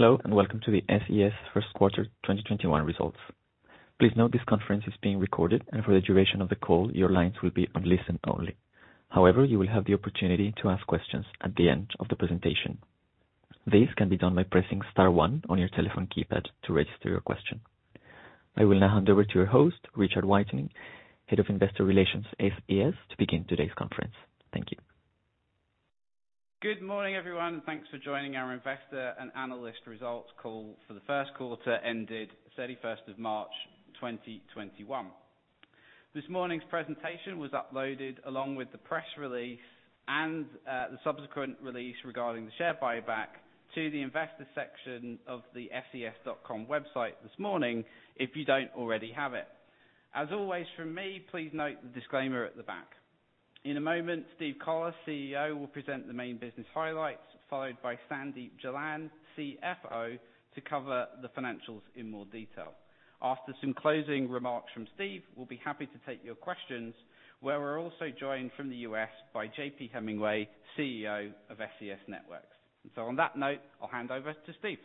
Hello, and welcome to the SES first quarter 2021 results. Please note this conference is being recorded, and for the duration of the call, your lines will be on listen only. However, you will have the opportunity to ask questions at the end of the presentation. This can be done by pressing star one on your telephone keypad to register your question. I will now hand over to your host, Richard Whiteing, Head of Investor Relations, SES, to begin today's conference. Thank you. Good morning, everyone. Thanks for joining our investor and analyst results call for the first quarter, ended 31st of March 2021. This morning's presentation was uploaded along with the press release and the subsequent release regarding the share buyback to the investor section of the ses.com website this morning, if you don't already have it. As always from me, please note the disclaimer at the back. In a moment, Steve Collar, CEO, will present the main business highlights, followed by Sandeep Jalan, CFO, to cover the financials in more detail. After some closing remarks from Steve, we'll be happy to take your questions, where we're also joined from the U.S. by J.P. Hemingway, CEO of SES Networks. On that note, I'll hand over to Steve.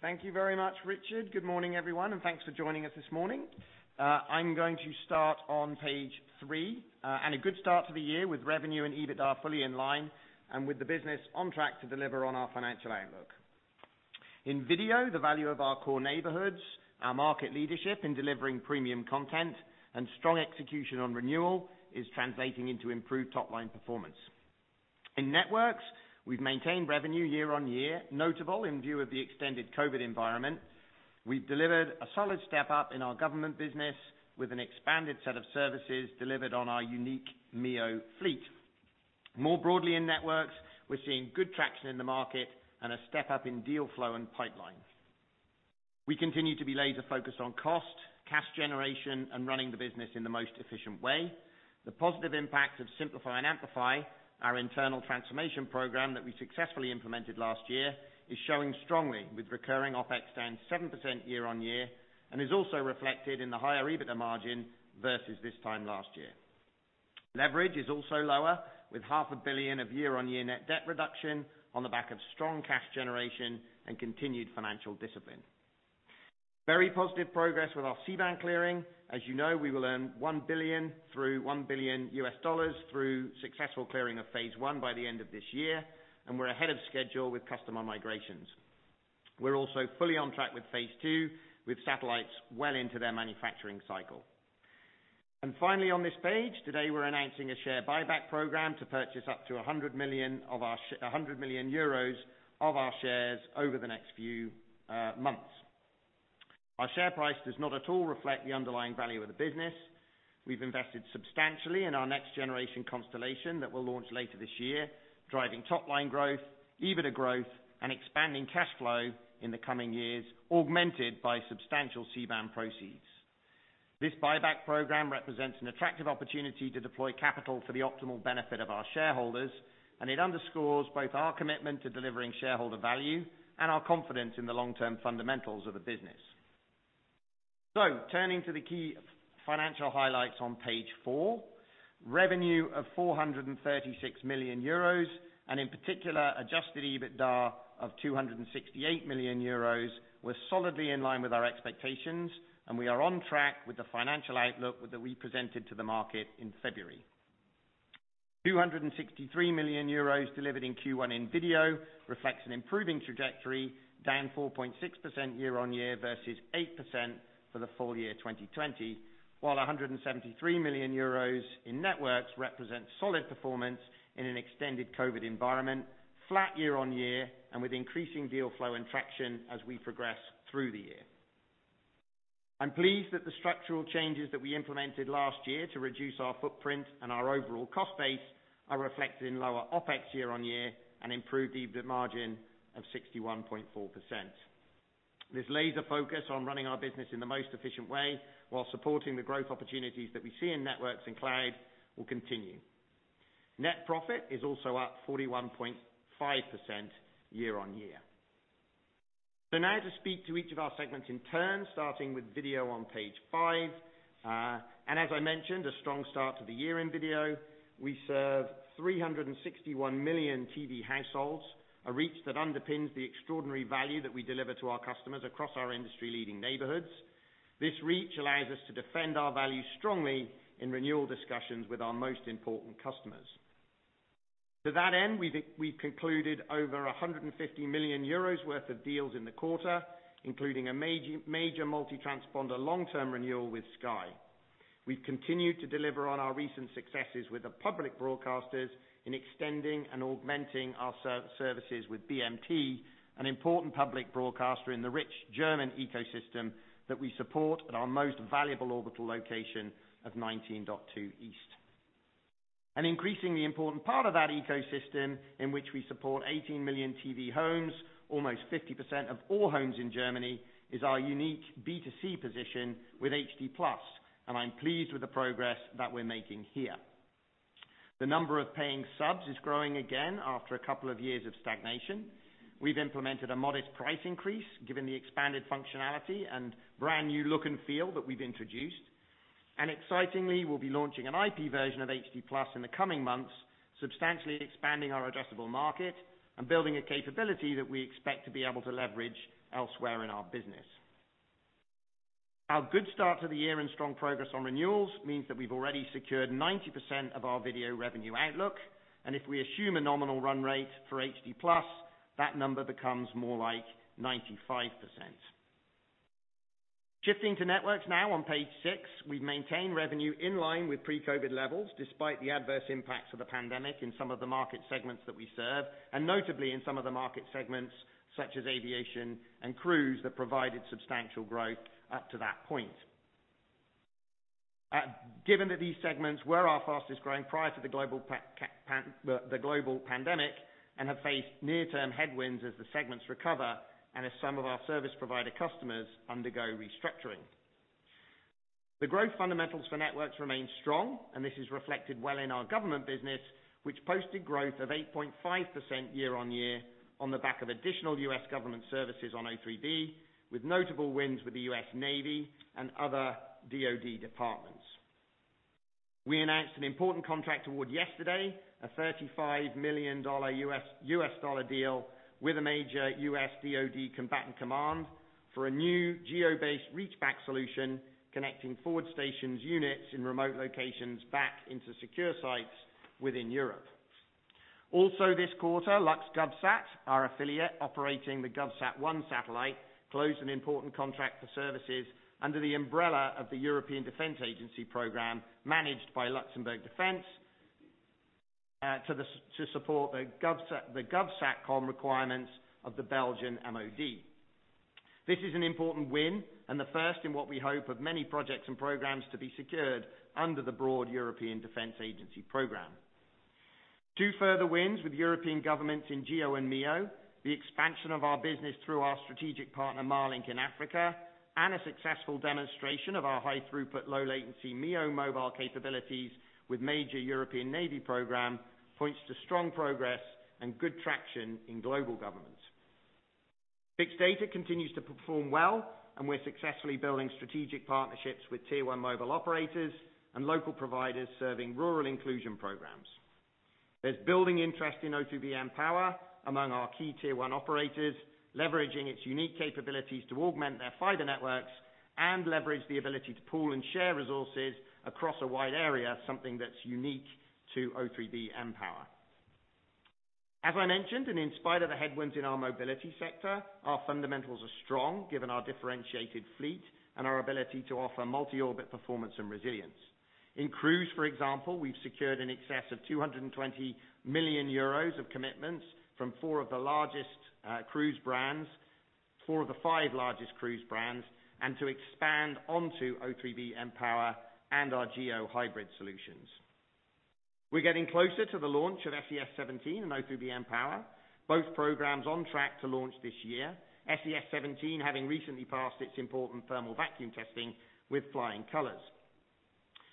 Thank you very much, Richard. Good morning, everyone, and thanks for joining us this morning. I'm going to start on page three. A good start to the year with revenue and EBITDA fully in line, and with the business on track to deliver on our financial outlook. In video, the value of our core neighborhoods, our market leadership in delivering premium content, and strong execution on renewal, is translating into improved top-line performance. In Networks, we've maintained revenue year-on-year, notable in view of the extended COVID environment. We've delivered a solid step-up in our government business with an expanded set of services delivered on our unique MEO fleet. More broadly in Networks, we're seeing good traction in the market and a step-up in deal flow and pipelines. We continue to be laser-focused on cost, cash generation, and running the business in the most efficient way. The positive impact of Simplify and Amplify, our internal transformation program that we successfully implemented last year, is showing strongly with recurring OpEx down 7% year-on-year, and is also reflected in the higher EBITDA margin versus this time last year. Leverage is also lower, with half a billion EUR of year-on-year net debt reduction on the back of strong cash generation and continued financial discipline. Very positive progress with our C-band clearing. As you know, we will earn $1 billion through successful clearing of phase one by the end of this year, and we're ahead of schedule with customer migrations. We're also fully on track with phase two, with satellites well into their manufacturing cycle. Finally on this page, today, we're announcing a share buyback program to purchase up to 100 million euros of our shares over the next few months. Our share price does not at all reflect the underlying value of the business. We've invested substantially in our next-generation constellation that we'll launch later this year, driving top-line growth, EBITDA growth, and expanding cash flow in the coming years, augmented by substantial C-band proceeds. This buyback program represents an attractive opportunity to deploy capital for the optimal benefit of our shareholders, and it underscores both our commitment to delivering shareholder value and our confidence in the long-term fundamentals of the business. Turning to the key financial highlights on page four. Revenue of 436 million euros, and in particular, adjusted EBITDA of 268 million euros, was solidly in line with our expectations, and we are on track with the financial outlook that we presented to the market in February. 263 million euros delivered in Q1 in video reflects an improving trajectory, down 4.6% year-on-year versus 8% for the full year 2020, while 173 million euros in networks represents solid performance in an extended COVID environment, flat year-on-year, with increasing deal flow and traction as we progress through the year. I'm pleased that the structural changes that we implemented last year to reduce our footprint and our overall cost base are reflected in lower OpEx year-on-year and improved EBITDA margin of 61.4%. This laser focus on running our business in the most efficient way while supporting the growth opportunities that we see in networks and cloud will continue. Net profit is also up 41.5% year-on-year. Now to speak to each of our segments in turn, starting with video on page five. As I mentioned, a strong start to the year in video. We serve 361 million TV households, a reach that underpins the extraordinary value that we deliver to our customers across our industry-leading neighborhoods. This reach allows us to defend our value strongly in renewal discussions with our most important customers. To that end, we've concluded over 150 million euros worth of deals in the quarter, including a major multi-transponder long-term renewal with Sky. We've continued to deliver on our recent successes with the public broadcasters in extending and augmenting our services with BMT, an important public broadcaster in the rich German ecosystem that we support at our most valuable orbital location of 19.2 East. An increasingly important part of that ecosystem in which we support 18 million TV homes, almost 50% of all homes in Germany, is our unique B2C position with HD+. I'm pleased with the progress that we're making here. The number of paying subs is growing again after a couple of years of stagnation. We've implemented a modest price increase given the expanded functionality and brand-new look and feel that we've introduced. Excitingly, we'll be launching an IP version of HD+ in the coming months, substantially expanding our addressable market and building a capability that we expect to be able to leverage elsewhere in our business. Our good start to the year and strong progress on renewals means that we've already secured 90% of our video revenue outlook, and if we assume a nominal run rate for HD+, that number becomes more like 95%. Shifting to networks now on page six, we've maintained revenue in line with pre-COVID levels, despite the adverse impacts of the pandemic in some of the market segments that we serve, and notably in some of the market segments, such as aviation and cruise, that provided substantial growth up to that point. Given that these segments were our fastest-growing prior to the global pandemic and have faced near-term headwinds as the segments recover and as some of our service provider customers undergo restructuring, the growth fundamentals for networks remain strong, and this is reflected well in our government business, which posted growth of 8.5% year-on-year on the back of additional U.S. government services on O3b, with notable wins with the U.S. Navy and other DoD departments. We announced an important contract award yesterday, a $35 million US dollar deal with a major U.S. DoD combatant command for a new geo-based reachback solution, connecting forward stationed units in remote locations back into secure sites within Europe. This quarter, LuxGovSat, our affiliate operating the GovSat-1 satellite, closed an important contract for services under the umbrella of the European Defence Agency program, managed by Luxembourg Defense, to support the GOVSATCOM requirements of the Belgian MOD. This is an important win and the first in what we hope of many projects and programs to be secured under the broad European Defence Agency program. Two further wins with European governments in GEO and MEO, the expansion of our business through our strategic partner Marlink in Africa, and a successful demonstration of our high throughput, low latency MEO mobile capabilities with major European Navy program, points to strong progress and good traction in global governments. Fixed data continues to perform well, and we're successfully building strategic partnerships with tier-one mobile operators and local providers serving rural inclusion programs. There's building interest in O3b mPOWER among our key tier-one operators, leveraging its unique capabilities to augment their fiber networks and leverage the ability to pool and share resources across a wide area, something that's unique to O3b mPOWER. As I mentioned, and in spite of the headwinds in our mobility sector, our fundamentals are strong given our differentiated fleet and our ability to offer multi-orbit performance and resilience. In cruise, for example, we've secured in excess of 220 million euros of commitments from four of the five largest cruise brands, and to expand onto O3b mPOWER and our GEO hybrid solutions. We're getting closer to the launch of SES-17 and O3b mPOWER, both programs on track to launch this year. SES-17 having recently passed its important thermal vacuum testing with flying colors.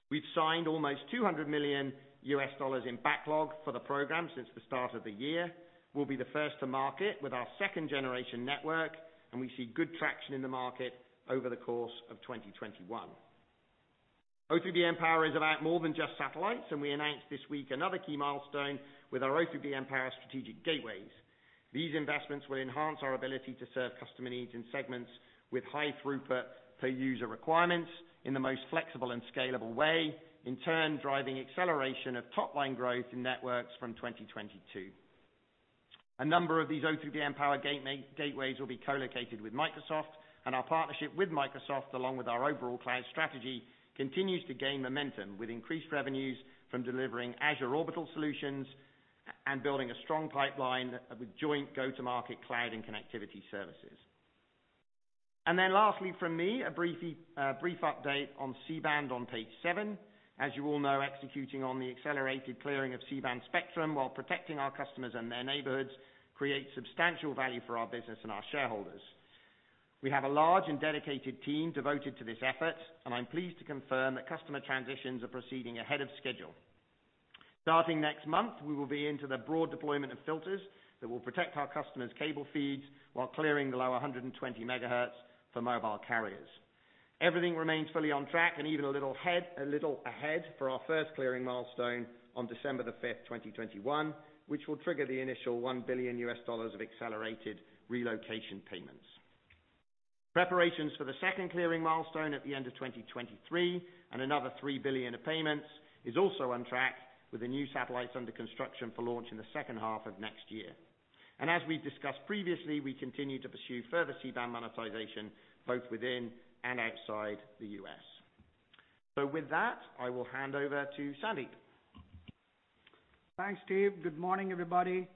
We've signed almost EUR 200 million in backlog for the program since the start of the year. We'll be the first to market with our second-generation network, and we see good traction in the market over the course of 2021. O3b mPOWER is about more than just satellites, and we announced this week another key milestone with our O3b mPOWER strategic gateways. These investments will enhance our ability to serve customer needs and segments with high throughput per user requirements in the most flexible and scalable way, in turn, driving acceleration of top-line growth in networks from 2022. A number of these O3b mPOWER gateways will be co-located with Microsoft, and our partnership with Microsoft, along with our overall cloud strategy, continues to gain momentum with increased revenues from delivering Azure Orbital solutions and building a strong pipeline of joint go-to-market cloud and connectivity services. Lastly from me, a brief update on C-band on page seven. As you all know, executing on the accelerated clearing of C-band spectrum while protecting our customers and their neighborhoods creates substantial value for our business and our shareholders. We have a large and dedicated team devoted to this effort, and I'm pleased to confirm that customer transitions are proceeding ahead of schedule. Starting next month, we will be into the broad deployment of filters that will protect our customers' cable feeds while clearing the lower 120 MHz for mobile carriers. Everything remains fully on track and even a little ahead for our first clearing milestone on December the 5th, 2021, which will trigger the initial $1 billion of accelerated relocation payments. Preparations for the second clearing milestone at the end of 2023 and another $3 billion of payments is also on track with the new satellites under construction for launch in the second half of next year. As we've discussed previously, we continue to pursue further C-band monetization both within and outside the U.S. With that, I will hand over to Sandeep. Thanks, Steve. Good morning, everybody.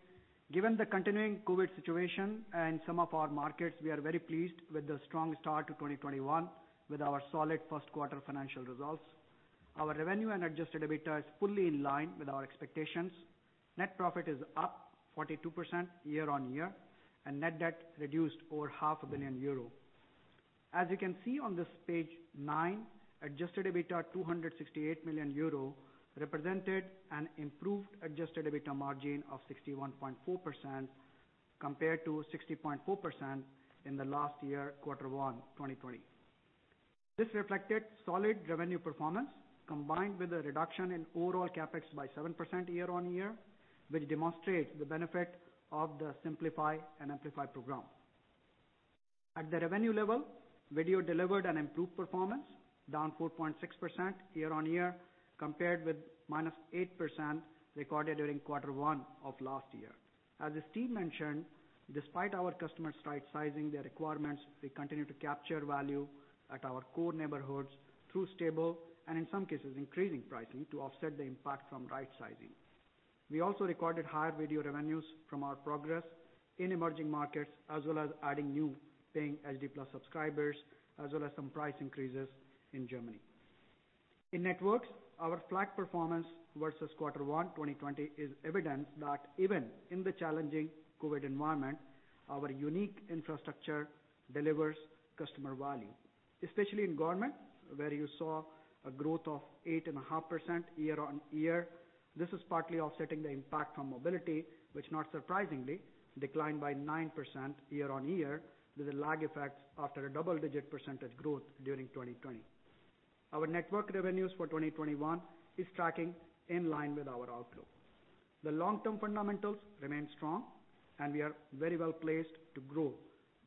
Given the continuing COVID situation in some of our markets, we are very pleased with the strong start to 2021 with our solid first quarter financial results. Our revenue and adjusted EBITDA is fully in line with our expectations. Net profit is up 42% year-on-year, and net debt reduced over half a billion EUR. As you can see on this page nine, adjusted EBITDA 268 million euro represented an improved adjusted EBITDA margin of 61.4% compared to 60.4% in the last year, Q1 2020. This reflected solid revenue performance, combined with a reduction in overall CapEx by 7% year-on-year, which demonstrates the benefit of the Simplify and Amplify program. At the revenue level, video delivered an improved performance, down 4.6% year-on-year, compared with -8% recorded during Q1 of last year. As Steve mentioned, despite our customers rightsizing their requirements, we continue to capture value at our core neighborhoods through stable, and in some cases, increasing pricing to offset the impact from rightsizing. We also recorded higher video revenues from our progress in emerging markets, as well as adding new paying HD+ subscribers, as well as some price increases in Germany. In networks, our flat performance versus quarter one 2020 is evidence that even in the challenging COVID environment, our unique infrastructure delivers customer value, especially in government, where you saw a growth of 8.5% year-on-year. This is partly offsetting the impact on mobility, which not surprisingly declined by 9% year-on-year, with the lag effects after a double-digit percentage growth during 2020. Our network revenues for 2021 is tracking in line with our outlook. The long-term fundamentals remain strong, and we are very well placed to grow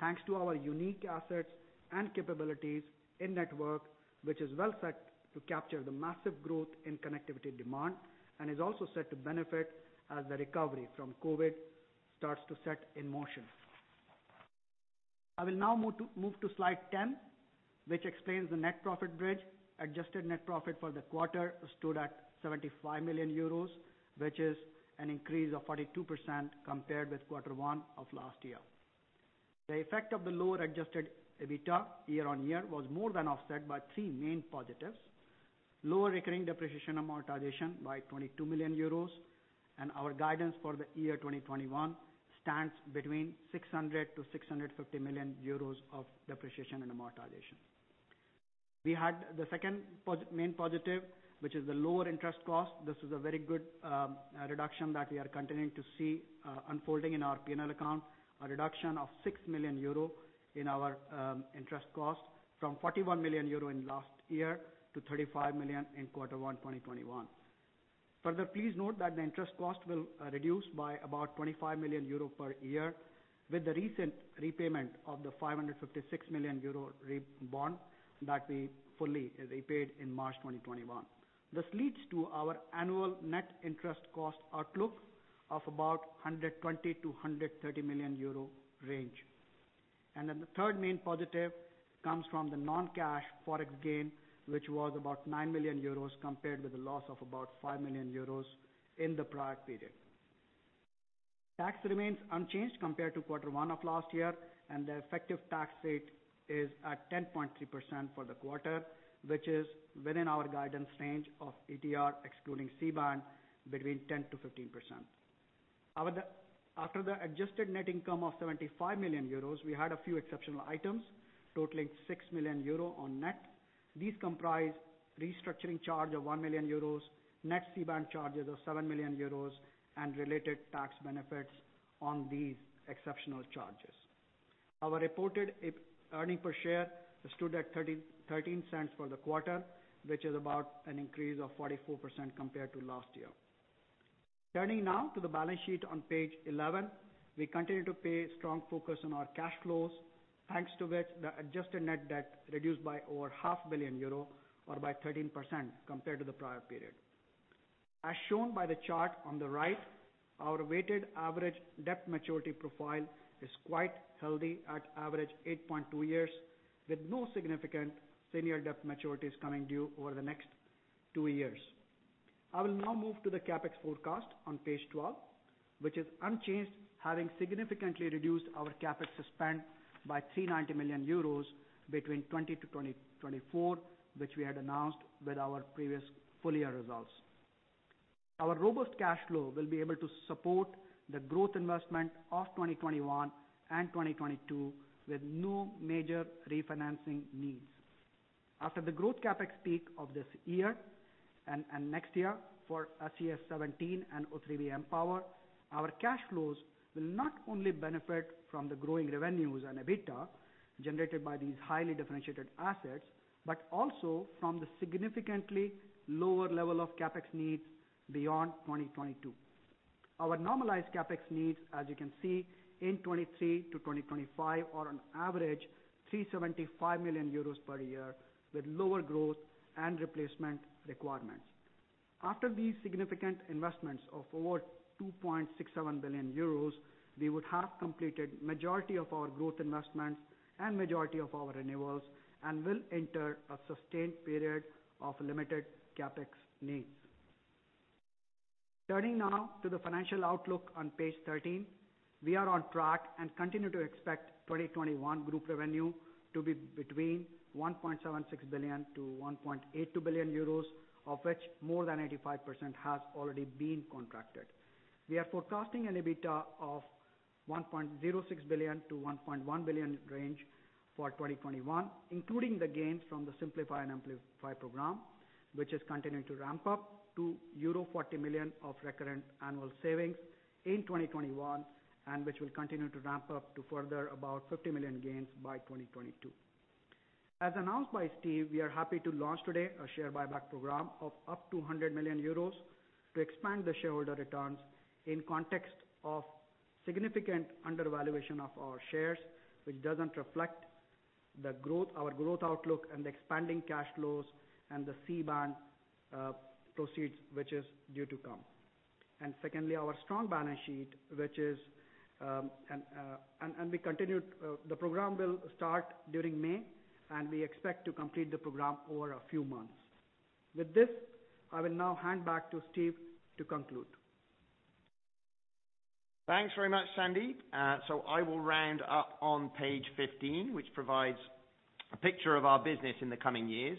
thanks to our unique assets and capabilities in network, which is well set to capture the massive growth in connectivity demand and is also set to benefit as the recovery from COVID starts to set in motion. I will now move to slide 10, which explains the net profit bridge. Adjusted net profit for the quarter stood at 75 million euros, which is an increase of 42% compared with quarter one of last year. The effect of the lower adjusted EBITDA year-on-year was more than offset by three main positives. Lower recurring depreciation amortization by 22 million euros, and our guidance for the year 2021 stands between 600 million-650 million euros of depreciation and amortization. We had the second main positive, which is the lower interest cost. This is a very good reduction that we are continuing to see unfolding in our P&L account. A reduction of 6 million euro in our interest cost from 41 million euro in last year to 35 million in quarter one 2021. Further, please note that the interest cost will reduce by about 25 million euro per year with the recent repayment of the 556 million euro Eurobond that we fully repaid in March 2021. This leads to our annual net interest cost outlook of about 120 million-130 million euro range. The third main positive comes from the non-cash Forex gain, which was about 9 million euros compared with a loss of about 5 million euros in the prior period. Tax remains unchanged compared to quarter one of last year, and the effective tax rate is at 10.3% for the quarter, which is within our guidance range of ETR, excluding C-band, between 10%-15%. After the adjusted net income of 75 million euros, we had a few exceptional items totaling 6 million euro on net. These comprise restructuring charge of 1 million euros, net C-band charges of 7 million euros, and related tax benefits on these exceptional charges. Our reported earnings per share stood at 0.13 for the quarter, which is about an increase of 44% compared to last year. Turning now to the balance sheet on page 11. We continue to pay strong focus on our cash flows, thanks to which the adjusted net debt reduced by over half billion EUR or by 13% compared to the prior period. As shown by the chart on the right, our weighted average debt maturity profile is quite healthy at average 8.2 years, with no significant senior debt maturities coming due over the next two years. I will now move to the CapEx forecast on page 12, which is unchanged, having significantly reduced our CapEx spend by 390 million euros between 2020-2024, which we had announced with our previous full-year results. Our robust cash flow will be able to support the growth investment of 2021 and 2022 with no major refinancing needs. After the growth CapEx peak of this year and next year for SES-17 and O3b mPOWER, our cash flows will not only benefit from the growing revenues and EBITDA generated by these highly differentiated assets, but also from the significantly lower level of CapEx needs beyond 2022. Our normalized CapEx needs, as you can see, in 2023- 2025 are on average 375 million euros per year with lower growth and replacement requirements. After these significant investments of over 2.67 billion euros, we would have completed majority of our growth investments and majority of our renewals and will enter a sustained period of limited CapEx needs. Turning now to the financial outlook on page 13. We are on track and continue to expect 2021 group revenue to be between 1.76 billion-1.82 billion euros, of which more than 85% has already been contracted. We are forecasting an EBITDA of 1.06 billion-1.1 billion range for 2021, including the gains from the Simplify and Amplify program, which is continuing to ramp up to euro 40 million of recurrent annual savings in 2021, and which will continue to ramp up to further about 50 million gains by 2022. As announced by Steve, we are happy to launch today a share buyback program of up to 100 million euros to expand the shareholder returns in context of significant undervaluation of our shares, which doesn't reflect our growth outlook and the expanding cash flows and the C-band proceeds, which is due to come. Secondly, our strong balance sheet. The program will start during May, and we expect to complete the program over a few months. With this, I will now hand back to Steve to conclude. Thanks very much, Sandeep. I will round up on page 15, which provides a picture of our business in the coming years.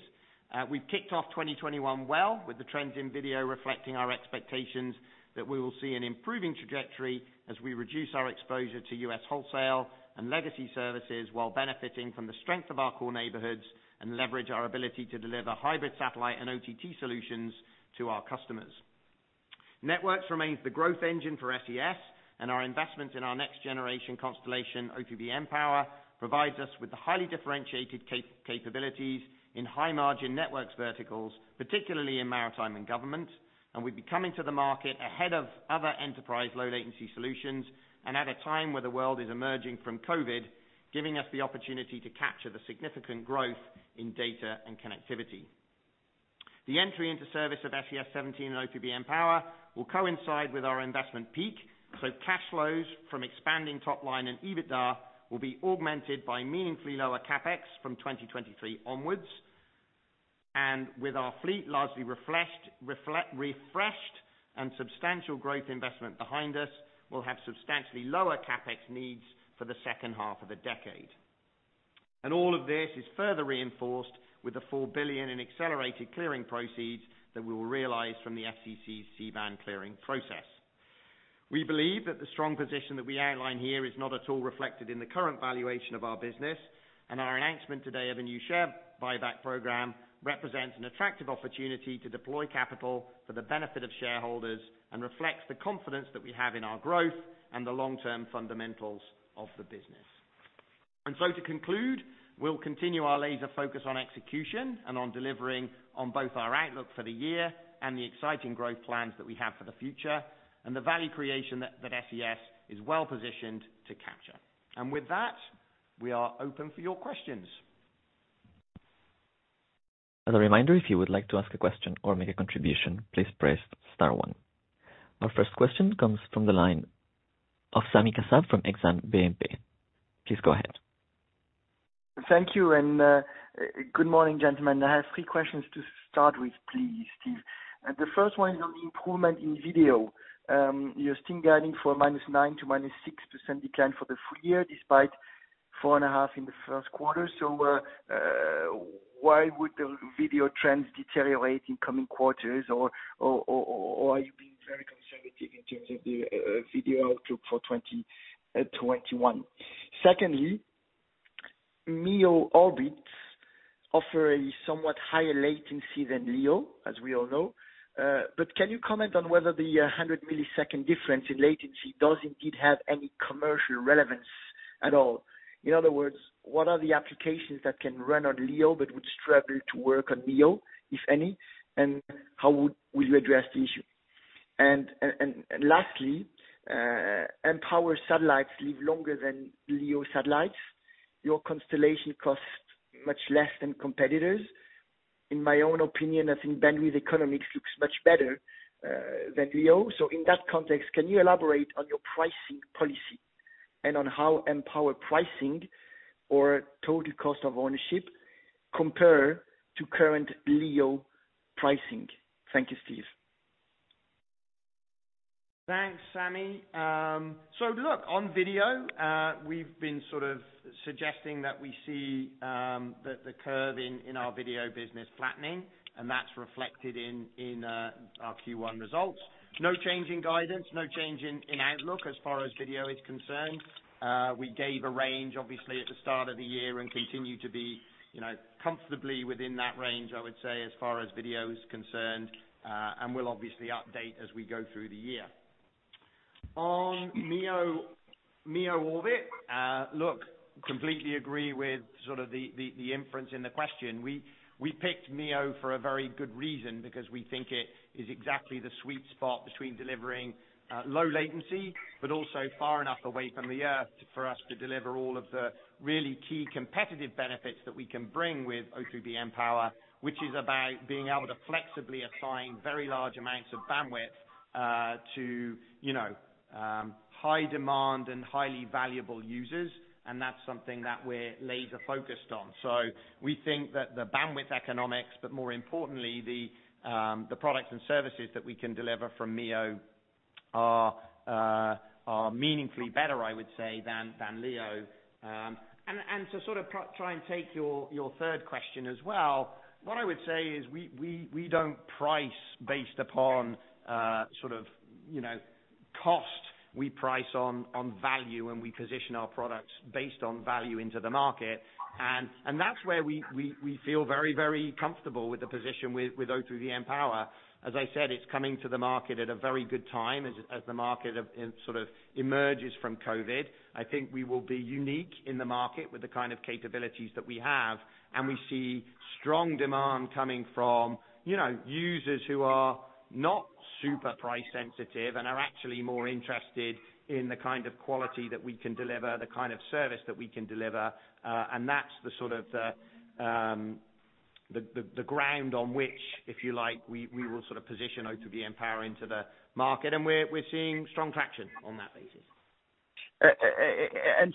We've kicked off 2021 well, with the trends in video reflecting our expectations that we will see an improving trajectory as we reduce our exposure to U.S. wholesale and legacy services, while benefiting from the strength of our core neighborhoods and leverage our ability to deliver hybrid satellite and OTT solutions to our customers. Networks remains the growth engine for SES. Our investments in our next generation constellation, O3b mPOWER, provides us with the highly differentiated capabilities in high-margin networks verticals, particularly in maritime and government. We'd be coming to the market ahead of other enterprise low latency solutions, and at a time where the world is emerging from COVID, giving us the opportunity to capture the significant growth in data and connectivity. The entry into service of SES-17 and O3b mPOWER will coincide with our investment peak, so cash flows from expanding top line and EBITDA will be augmented by meaningfully lower CapEx from 2023 onwards. With our fleet largely refreshed and substantial growth investment behind us, we'll have substantially lower CapEx needs for the second half of the decade. All of this is further reinforced with the $4 billion in accelerated clearing proceeds that we'll realize from the FCC's C-band clearing process. We believe that the strong position that we outline here is not at all reflected in the current valuation of our business, and our announcement today of a new share buyback program represents an attractive opportunity to deploy capital for the benefit of shareholders and reflects the confidence that we have in our growth and the long-term fundamentals of the business. To conclude, we'll continue our laser focus on execution and on delivering on both our outlook for the year and the exciting growth plans that we have for the future, and the value creation that SES is well-positioned to capture. With that, we are open for your questions. As a reminder, if you would like to ask a question or make a contribution, please press star one. Our first question comes from the line of Sami Kassab from Exane BNP. Please go ahead. Thank you. Good morning, gentlemen. I have three questions to start with, please, Steve. The first one is on the improvement in video. You are still guiding for a -9% to -6% decline for the full year, despite 4.5% in the first quarter. Why would the video trends deteriorate in coming quarters? Are you being very conservative in terms of the video outlook for 2021? Secondly, MEO orbits offer a somewhat higher latency than LEO, as we all know. Can you comment on whether the 100-millisecond difference in latency does indeed have any commercial relevance at all? In other words, what are the applications that can run on LEO but would struggle to work on MEO, if any, and how will you address the issue? Lastly, mPOWER satellites live longer than LEO satellites. Your constellation costs much less than competitors. In my own opinion, I think bandwidth economics looks much better than LEO. In that context, can you elaborate on your pricing policy and on how mPOWER pricing or total cost of ownership compare to current LEO pricing? Thank you, Steve. Thanks, Sami. Look, on video, we've been sort of suggesting that we see the curve in our video business flattening, and that's reflected in our Q1 results. No change in guidance, no change in outlook as far as video is concerned. We gave a range, obviously, at the start of the year and continue to be comfortably within that range, I would say, as far as video is concerned. We'll obviously update as we go through the year. On MEO orbit. Look, completely agree with the inference in the question. We picked MEO for a very good reason because we think it is exactly the sweet spot between delivering low latency but also far enough away from the Earth for us to deliver all of the really key competitive benefits that we can bring with O3b mPOWER, which is about being able to flexibly assign very large amounts of bandwidth to high demand and highly valuable users. That's something that we're laser-focused on. We think that the bandwidth economics, but more importantly, the products and services that we can deliver from MEO are meaningfully better, I would say, than LEO. To sort of try and take your third question as well, what I would say is we don't price based upon cost, we price on value, and we position our products based on value into the market. That's where we feel very comfortable with the position with O3b mPOWER. As I said, it's coming to the market at a very good time as the market emerges from COVID. I think we will be unique in the market with the kind of capabilities that we have, and we see strong demand coming from users who are not super price sensitive and are actually more interested in the kind of quality that we can deliver, the kind of service that we can deliver. That's the ground on which, if you like, we will position O3b mPOWER into the market. We're seeing strong traction on that basis.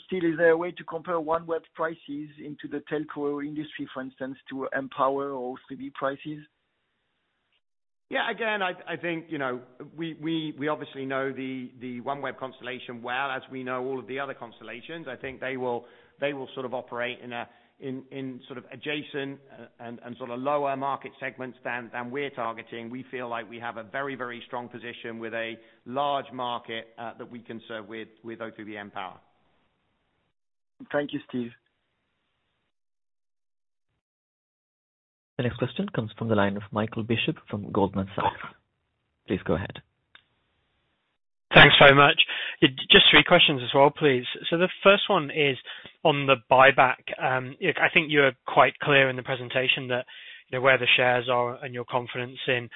Steve, is there a way to compare OneWeb prices into the telco industry, for instance, to mPOWER or O3b prices? Yeah, again, I think we obviously know the OneWeb constellation well, as we know all of the other constellations. I think they will operate in adjacent and lower market segments than we're targeting. We feel like we have a very strong position with a large market that we can serve with O3b mPOWER. Thank you, Steve. The next question comes from the line of Michael Bishop from Goldman Sachs. Please go ahead. Thanks very much. Just three questions as well, please. The first one is on the buyback. I think you're quite clear in the presentation that where the shares are and your confidence in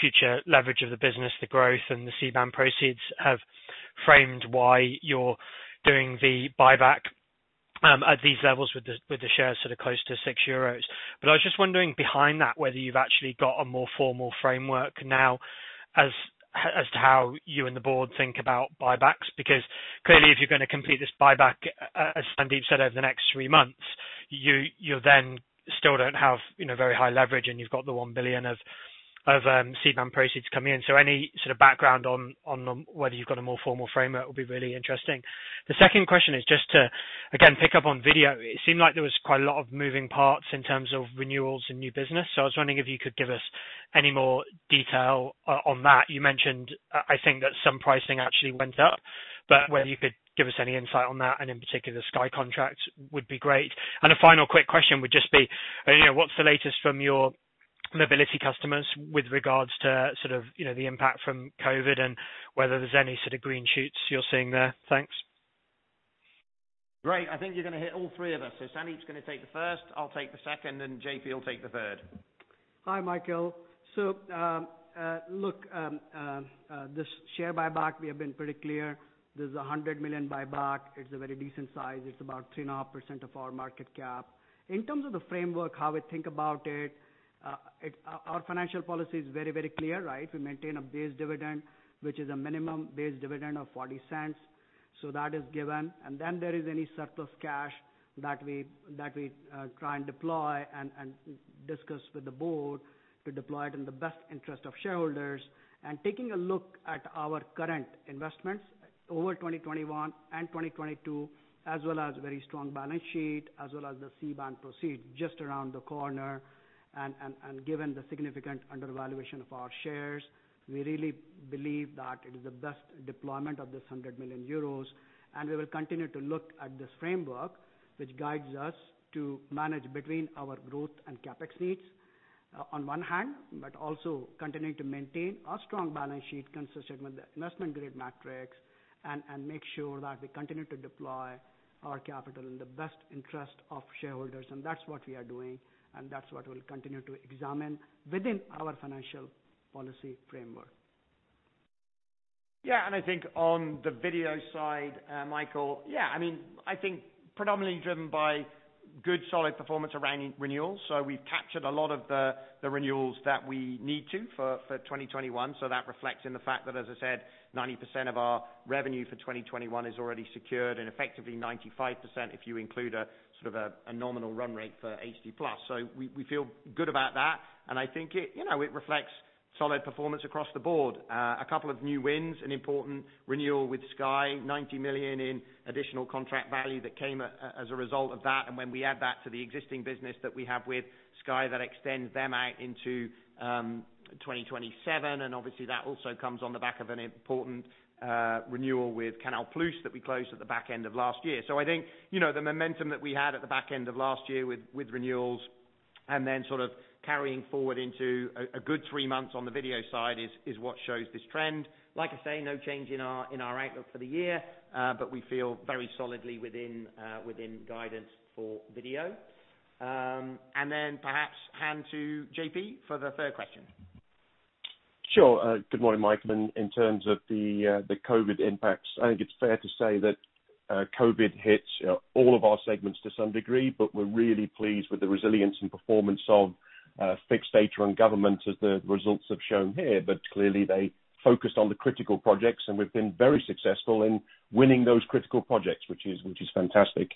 future leverage of the business, the growth and the C-band proceeds have framed why you're doing the buyback at these levels with the shares that are close to 6 euros. I was just wondering behind that, whether you've actually got a more formal framework now as to how you and the board think about buybacks, because clearly, if you're going to complete this buyback, as Sandeep said, over the next three months, you then still don't have very high leverage, and you've got the 1 billion of C-band proceeds coming in. Any sort of background on whether you've got a more formal framework will be really interesting. The second question is just to again pick up on video. It seemed like there was quite a lot of moving parts in terms of renewals and new business. I was wondering if you could give us any more detail on that. You mentioned, I think that some pricing actually went up, but whether you could give us any insight on that and in particular the Sky contract would be great. A final quick question would just be, what's the latest from your mobility customers with regards to the impact from COVID and whether there's any sort of green shoots you're seeing there? Thanks. Great. I think you're going to hit all three of us. Sandeep's going to take the first, I'll take the second, and J.P. will take the third. Hi, Michael. Look, this share buyback, we have been pretty clear. There's 100 million buyback. It's a very decent size. It's about 3.5% of our market cap. In terms of the framework, how we think about it, our financial policy is very clear, right? We maintain a base dividend, which is a minimum base dividend of 0.40. That is given. There is any surplus cash that we try and deploy and discuss with the board to deploy it in the best interest of shareholders. Taking a look at our current investments over 2021 and 2022, as well as very strong balance sheet, as well as the C-band proceed just around the corner. Given the significant undervaluation of our shares, we really believe that it is the best deployment of this 100 million euros. We will continue to look at this framework, which guides us to manage between our growth and CapEx needs on one hand, but also continuing to maintain our strong balance sheet consistent with the investment-grade metrics and make sure that we continue to deploy our capital in the best interest of shareholders. That's what we are doing, and that's what we'll continue to examine within our financial policy framework. I think on the video side, Michael, I think predominantly driven by good solid performance around renewals. We've captured a lot of the renewals that we need to for 2021. That reflects in the fact that, as I said, 90% of our revenue for 2021 is already secured and effectively 95%, if you include a nominal run rate for HD+. We feel good about that, and I think it reflects solid performance across the board. A couple of new wins, an important renewal with Sky, 90 million in additional contract value that came as a result of that. When we add that to the existing business that we have with Sky, that extends them out into 2027. Obviously that also comes on the back of an important renewal with Canal+ that we closed at the back end of last year. I think the momentum that we had at the back end of last year with renewals and then sort of carrying forward into a good three months on the video side is what shows this trend. Like I say, no change in our outlook for the year, but we feel very solidly within guidance for video. Perhaps hand to J.P. for the third question. Sure. Good morning, Michael. In terms of the COVID impacts, I think it's fair to say that COVID hits all of our segments to some degree, but we're really pleased with the resilience and performance of fixed data and government as the results have shown here. Clearly they focused on the critical projects, and we've been very successful in winning those critical projects, which is fantastic.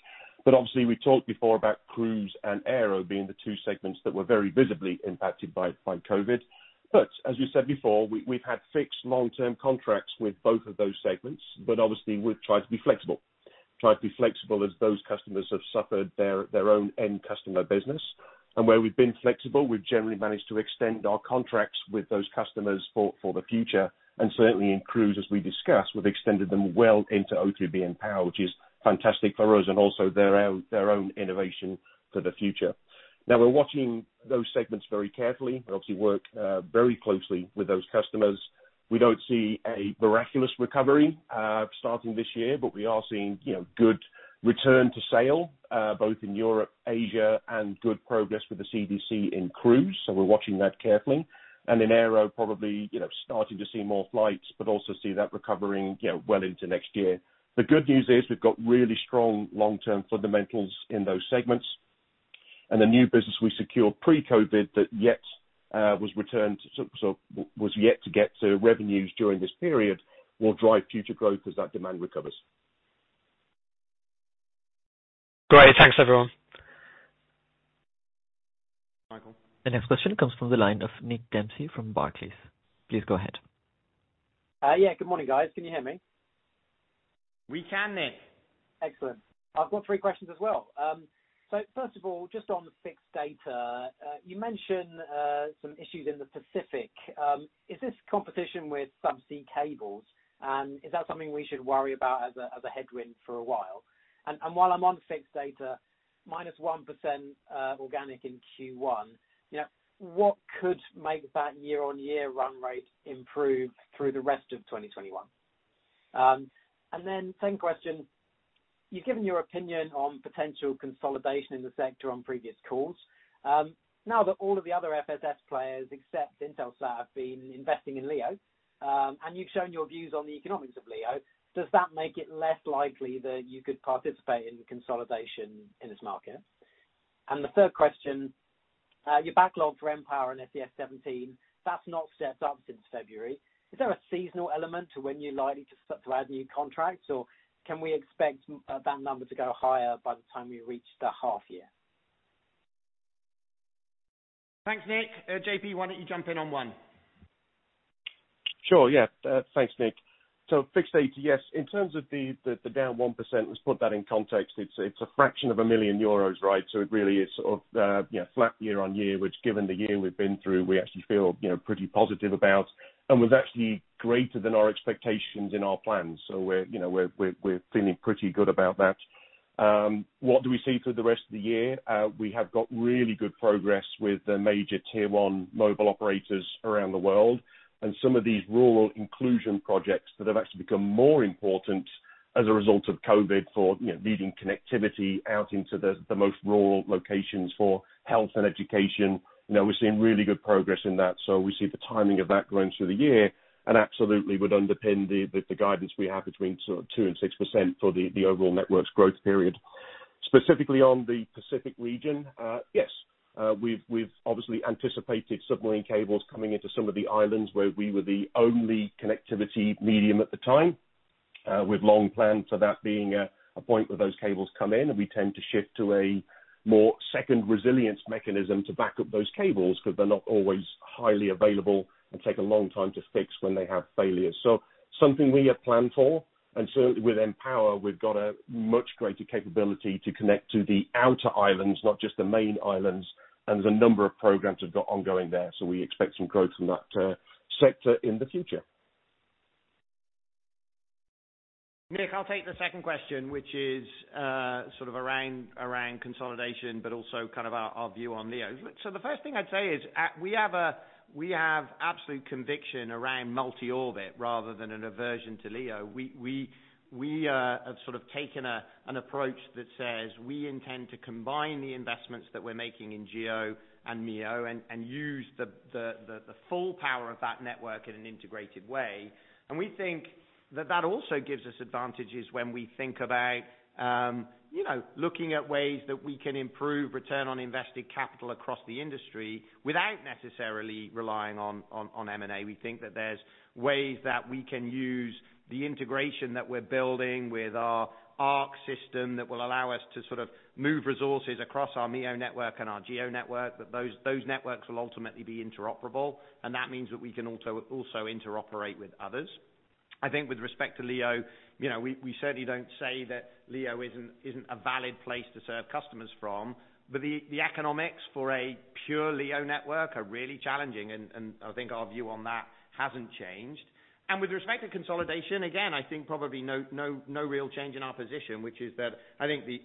Obviously we talked before about cruise and aero being the two segments that were very visibly impacted by COVID. As you said before, we've had fixed long-term contracts with both of those segments, but obviously we've tried to be flexible as those customers have suffered their own end customer business. Where we've been flexible, we've generally managed to extend our contracts with those customers for the future, and certainly in cruise, as we discussed, we've extended them well into O3b mPOWER, which is fantastic for us and also their own innovation for the future. We're watching those segments very carefully and obviously work very closely with those customers. We don't see a miraculous recovery starting this year, we are seeing good return to sail both in Europe, Asia, and good progress with the CDC in cruise. We're watching that carefully. In Aero, probably starting to see more flights, also see that recovering well into next year. The good news is we've got really strong long-term fundamentals in those segments. The new business we secured pre-COVID that was yet to get to revenues during this period will drive future growth as that demand recovers. Great. Thanks, everyone. Michael. The next question comes from the line of Nick Dempsey from Barclays. Please go ahead. Yeah, good morning, guys. Can you hear me? We can, Nick. Excellent. I've got three questions as well. First of all, just on fixed data. You mentioned some issues in the Pacific. Is this competition with subsea cables? Is that something we should worry about as a headwind for a while? While I'm on fixed data, minus 1% organic in Q1. What could make that year-on-year run rate improve through the rest of 2021? Same question. You've given your opinion on potential consolidation in the sector on previous calls. Now that all of the other FSS players, except Intelsat, have been investing in LEO, and you've shown your views on the economics of LEO, does that make it less likely that you could participate in consolidation in this market? The third question, your backlog for O3b mPOWER and SES-17, that's not stepped up since February. Is there a seasonal element to when you're likely to add new contracts, or can we expect that number to go higher by the time we reach the half year? Thanks, Nick. J.P., why don't you jump in on one? Sure, yeah. Thanks, Nick. Fixed data, yes. In terms of the down 1%, let's put that in context. It's a fraction of 1 million euros, right? It really is sort of flat year on year, which given the year we've been through, we actually feel pretty positive about and was actually greater than our expectations in our plans. We're feeling pretty good about that. What do we see through the rest of the year? We have got really good progress with the major tier 1 mobile operators around the world and some of these rural inclusion projects that have actually become more important as a result of COVID for needing connectivity out into the most rural locations for health and education. We're seeing really good progress in that. We see the timing of that going through the year and absolutely would underpin the guidance we have between 2% and 6% for the overall Networks growth period. Specifically on the Pacific region, yes. We've obviously anticipated submarine cables coming into some of the islands where we were the only connectivity medium at the time, with long plans for that being a point where those cables come in, and we tend to shift to a more second resilience mechanism to back up those cables because they're not always highly available and take a long time to fix when they have failures. Something we have planned for. Certainly with O3b mPOWER, we've got a much greater capability to connect to the outer islands, not just the main islands. There's a number of programs we've got ongoing there, so we expect some growth from that sector in the future. Nick, I'll take the second question, which is sort of around consolidation, but also kind of our view on LEO. The first thing I'd say is we have absolute conviction around multi-orbit rather than an aversion to LEO. We have sort of taken an approach that says we intend to combine the investments that we're making in GEO and MEO and use the full power of that network in an integrated way. We think that that also gives us advantages when we think about looking at ways that we can improve return on invested capital across the industry without necessarily relying on M&A. We think that there's ways that we can use the integration that we're building with our ARC system that will allow us to sort of move resources across our MEO network and our GEO network, that those networks will ultimately be interoperable, and that means that we can also interoperate with others. I think with respect to LEO, we certainly don't say that LEO isn't a valid place to serve customers from. The economics for a pure LEO network are really challenging, and I think our view on that hasn't changed. With respect to consolidation, again, I think probably no real change in our position, which is that I think the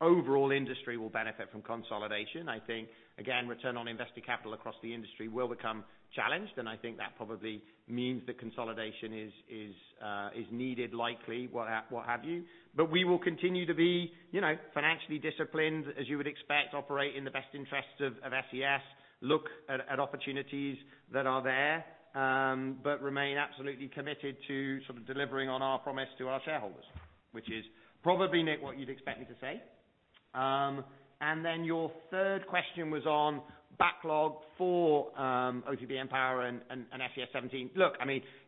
overall industry will benefit from consolidation. I think, again, return on invested capital across the industry will become challenged, and I think that probably means that consolidation is needed likely, what have you. We will continue to be financially disciplined as you would expect, operate in the best interests of SES, look at opportunities that are there, but remain absolutely committed to sort of delivering on our promise to our shareholders, which is probably, Nick, what you'd expect me to say. Your third question was on backlog for O3b mPOWER and SES-17. Look,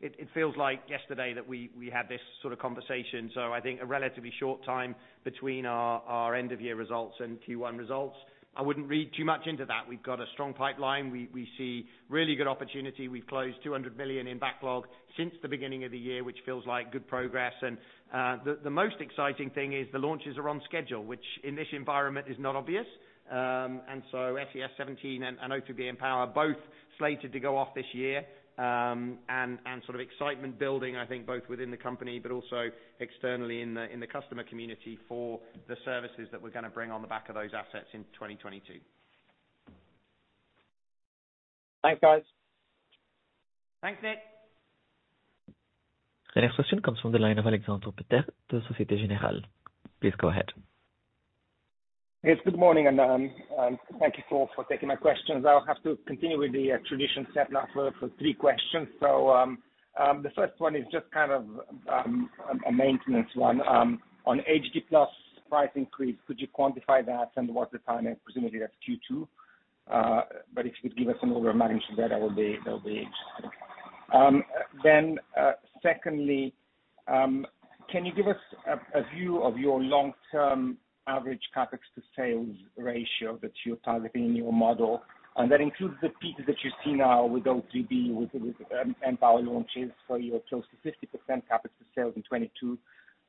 it feels like yesterday that we had this sort of conversation. I think a relatively short time between our end of year results and Q1 results. I wouldn't read too much into that. We've got a strong pipeline. We see really good opportunity. We've closed 200 million in backlog since the beginning of the year, which feels like good progress, and the most exciting thing is the launches are on schedule, which in this environment is not obvious. SES-17 and O3b mPOWER, both slated to go off this year, and sort of excitement building, I think, both within the company but also externally in the customer community for the services that we're going to bring on the back of those assets in 2022. Thanks, guys. Thanks, Nick. Next question comes from the line of Alexander Peterc from Societe Generale. Please go ahead. Good morning, thank you, Paul, for taking my questions. I'll have to continue with the tradition set now for three questions. The first one is just a maintenance one. On HD+ price increase, could you quantify that, and what's the timing? Presumably, that's Q2. If you could give us an order of magnitude for that'll be interesting. Secondly, can you give us a view of your long-term average CapEx to sales ratio that you're targeting in your model, that includes the peaks that you see now with O3b, with mPOWER launches for your close to 50% CapEx to sales in 2022,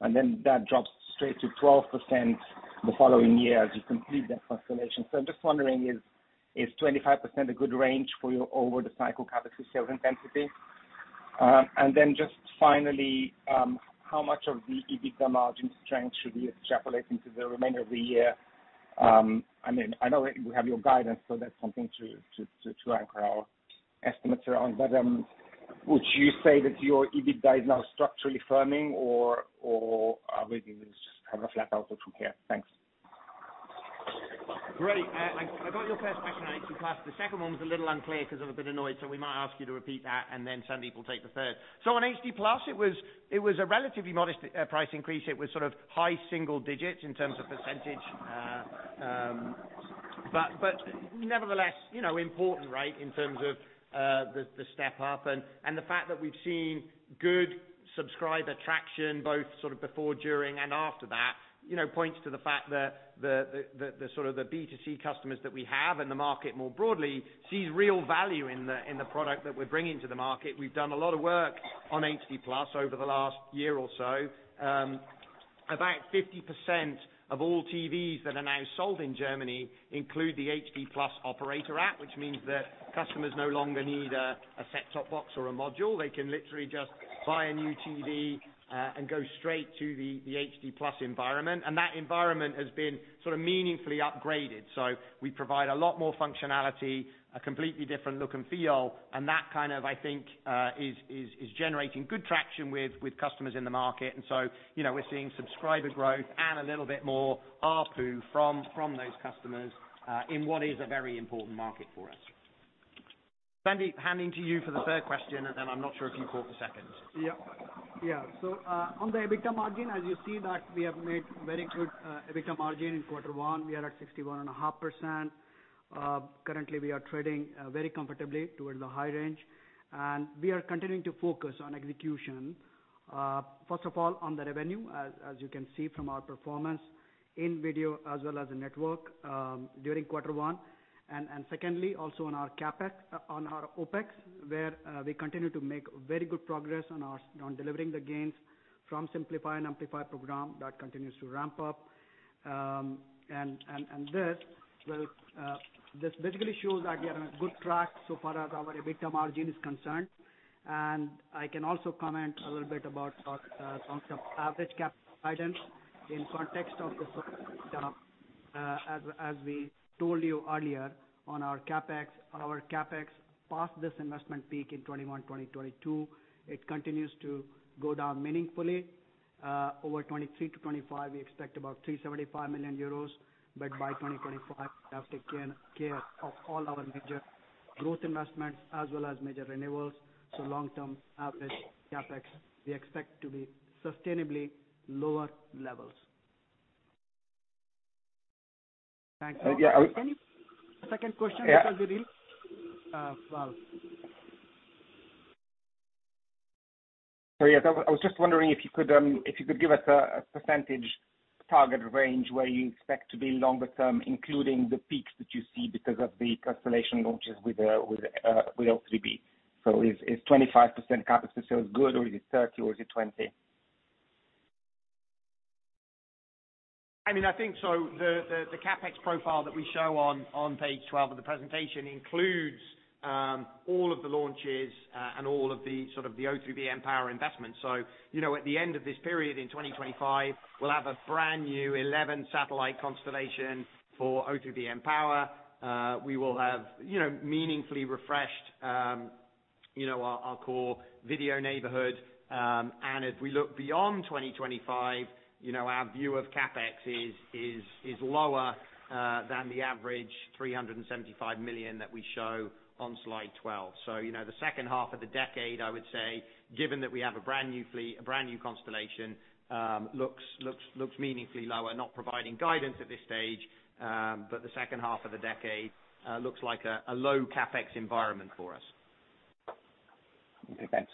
that drops straight to 12% the following year as you complete that constellation. I'm just wondering, is 25% a good range for your over the cycle CapEx to sales intensity? Just finally, how much of the EBITDA margin strength should we extrapolate into the remainder of the year? I know that we have your guidance, so that's something to anchor our estimates around. Would you say that your EBITDA is now structurally firming, or are we going to have a flat outlook from here? Thanks. Great. I got your first question on HD+. The second one was a little unclear because of a bit of noise, so we might ask you to repeat that, and then Sandeep will take the third. On HD+, it was a relatively modest price increase. It was sort of high single digits in terms of percentage. Nevertheless important, right, in terms of the step up, and the fact that we've seen good subscriber traction, both before, during, and after that points to the fact that the B2C customers that we have in the market more broadly see real value in the product that we're bringing to the market. We've done a lot of work on HD+ over the last year or so. About 50% of all TVs that are now sold in Germany include the HD+ operator app, which means that customers no longer need a set-top box or a module. They can literally just buy a new TV and go straight to the HD+ environment. That environment has been meaningfully upgraded. We provide a lot more functionality, a completely different look and feel, and that kind of, I think, is generating good traction with customers in the market. We're seeing subscriber growth and a little bit more ARPU from those customers, in what is a very important market for us. Sandeep, handing to you for the third question, and then I'm not sure if you caught the second. On the EBITDA margin, as you see that we have made very good EBITDA margin in quarter one. We are at 61.5%. Currently, we are trading very comfortably towards the high range, and we are continuing to focus on execution. First of all, on the revenue, as you can see from our performance in video as well as the network during quarter one, and secondly also on our OpEx, where we continue to make very good progress on delivering the gains from Simplify and Amplify program. That continues to ramp up. This basically shows that we are on a good track so far as our EBITDA margin is concerned. I can also comment a little bit about some average CapEx guidance in context of the as we told you earlier on our CapEx. Our CapEx past this investment peak in 2021, 2022, it continues to go down meaningfully. Over 2023 to 2025, we expect about 375 million euros, but by 2025, we have taken care of all our major growth investments as well as major renewals. Long term average CapEx, we expect to be sustainably lower levels. Thanks. Yeah. Second question, because well- Yeah, I was just wondering if you could give us a percentage target range where you expect to be longer term, including the peaks that you see because of the constellation launches with O3b. Is 25% CapEx to sales good, or is it 30%, or is it 20%? I think so. The CapEx profile that we show on page 12 of the presentation includes all of the launches and all of the O3b mPOWER investments. At the end of this period in 2025, we'll have a brand-new 11 satellite constellation for O3b mPOWER. We will have meaningfully refreshed our core video neighborhood. As we look beyond 2025, our view of CapEx is lower than the average 375 million that we show on slide 12. The second half of the decade, I would say, given that we have a brand new constellation, looks meaningfully lower. Not providing guidance at this stage, the second half of the decade looks like a low CapEx environment for us. Okay, thanks.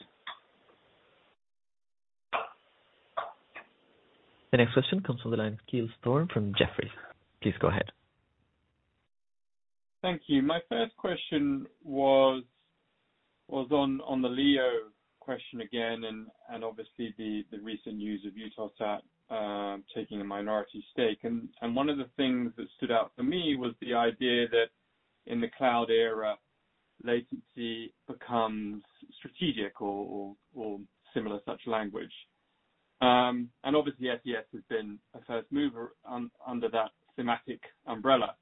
The next question comes from the line, Giles Thorne from Jefferies. Please go ahead. Thank you. My first question was on the LEO question again, obviously the recent news of Eutelsat taking a minority stake. One of the things that stood out for me was the idea that in the cloud era, latency becomes strategic or similar such language. Obviously SES has been a first mover under that thematic umbrella.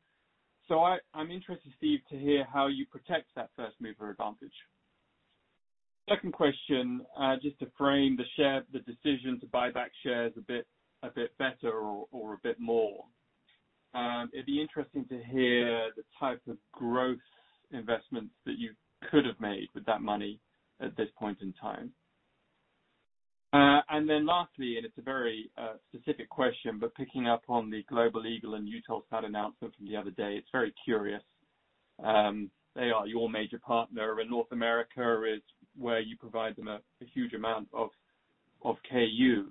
I'm interested, Steve, to hear how you protect that first-mover advantage. Second question, just to frame the decision to buy back shares a bit better or a bit more. It'd be interesting to hear the type of growth investments that you could have made with that money at this point in time. Lastly, it's a very specific question, picking up on the Global Eagle and Eutelsat announcement from the other day, it's very curious. They are your major partner, and North America is where you provide them a huge amount of Ku.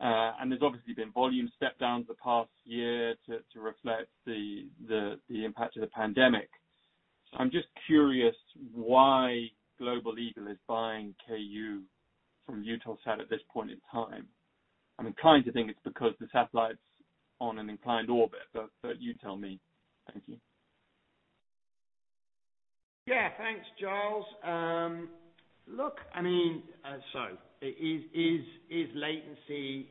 There's obviously been volume step downs the past year to reflect the impact of the pandemic. I'm just curious why Global Eagle is buying Ku from Eutelsat at this point in time. I'm inclined to think it's because the satellite's on an inclined orbit, but you tell me. Thank you. Thanks, Giles. Is latency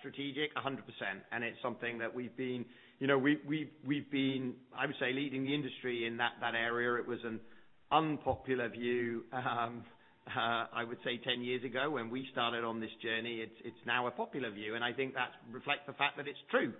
strategic? 100%. It's something that we've been, I would say, leading the industry in that area. It was an unpopular view, I would say 10 years ago when we started on this journey. It's now a popular view, and I think that reflects the fact that it's true.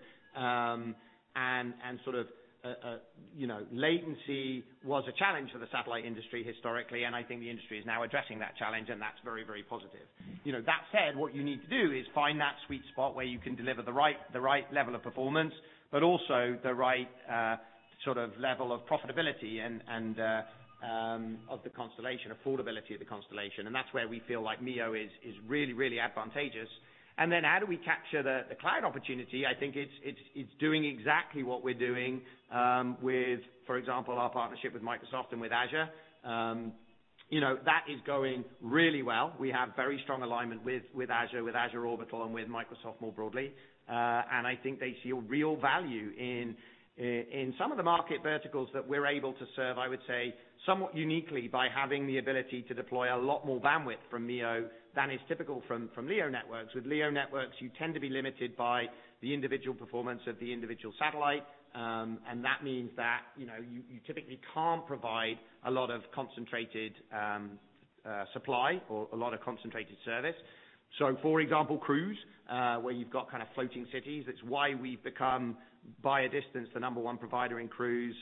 Latency was a challenge for the satellite industry historically, and I think the industry is now addressing that challenge, and that's very, very positive. That said, what you need to do is find that sweet spot where you can deliver the right level of performance, but also the right level of profitability of the constellation, affordability of the constellation. That's where we feel like MEO is really, really advantageous. How do we capture the cloud opportunity? I think it's doing exactly what we're doing, with, for example, our partnership with Microsoft and with Azure. That is going really well. We have very strong alignment with Azure Orbital and with Microsoft more broadly. I think they see a real value in some of the market verticals that we're able to serve, I would say, somewhat uniquely by having the ability to deploy a lot more bandwidth from MEO than is typical from LEO networks. With LEO networks, you tend to be limited by the individual performance of the individual satellite, and that means that you typically can't provide a lot of concentrated supply or a lot of concentrated service. For example, cruise, where you've got kind of floating cities, it's why we've become, by a distance, the number one provider in cruise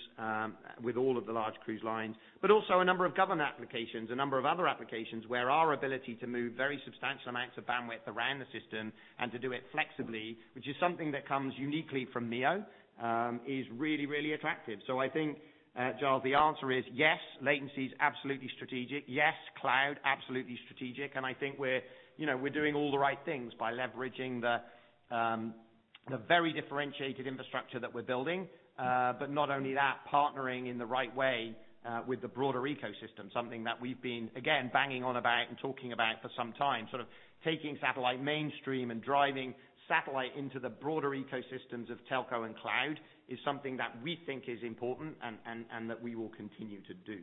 with all of the large cruise lines. Also a number of government applications, a number of other applications where our ability to move very substantial amounts of bandwidth around the system and to do it flexibly, which is something that comes uniquely from MEO, is really, really attractive. I think, Giles, the answer is yes, latency is absolutely strategic. Yes, cloud, absolutely strategic. I think we're doing all the right things by leveraging the very differentiated infrastructure that we're building. Not only that, partnering in the right way, with the broader ecosystem, something that we've been, again, banging on about and talking about for some time. Sort of taking satellite mainstream and driving satellite into the broader ecosystems of telco and cloud is something that we think is important and that we will continue to do.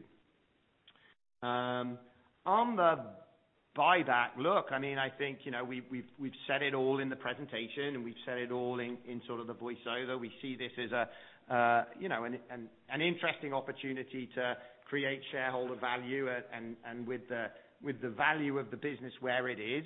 On the buyback, look, I think we've said it all in the presentation. We've said it all in sort of the voice-over. We see this as an interesting opportunity to create shareholder value. With the value of the business where it is,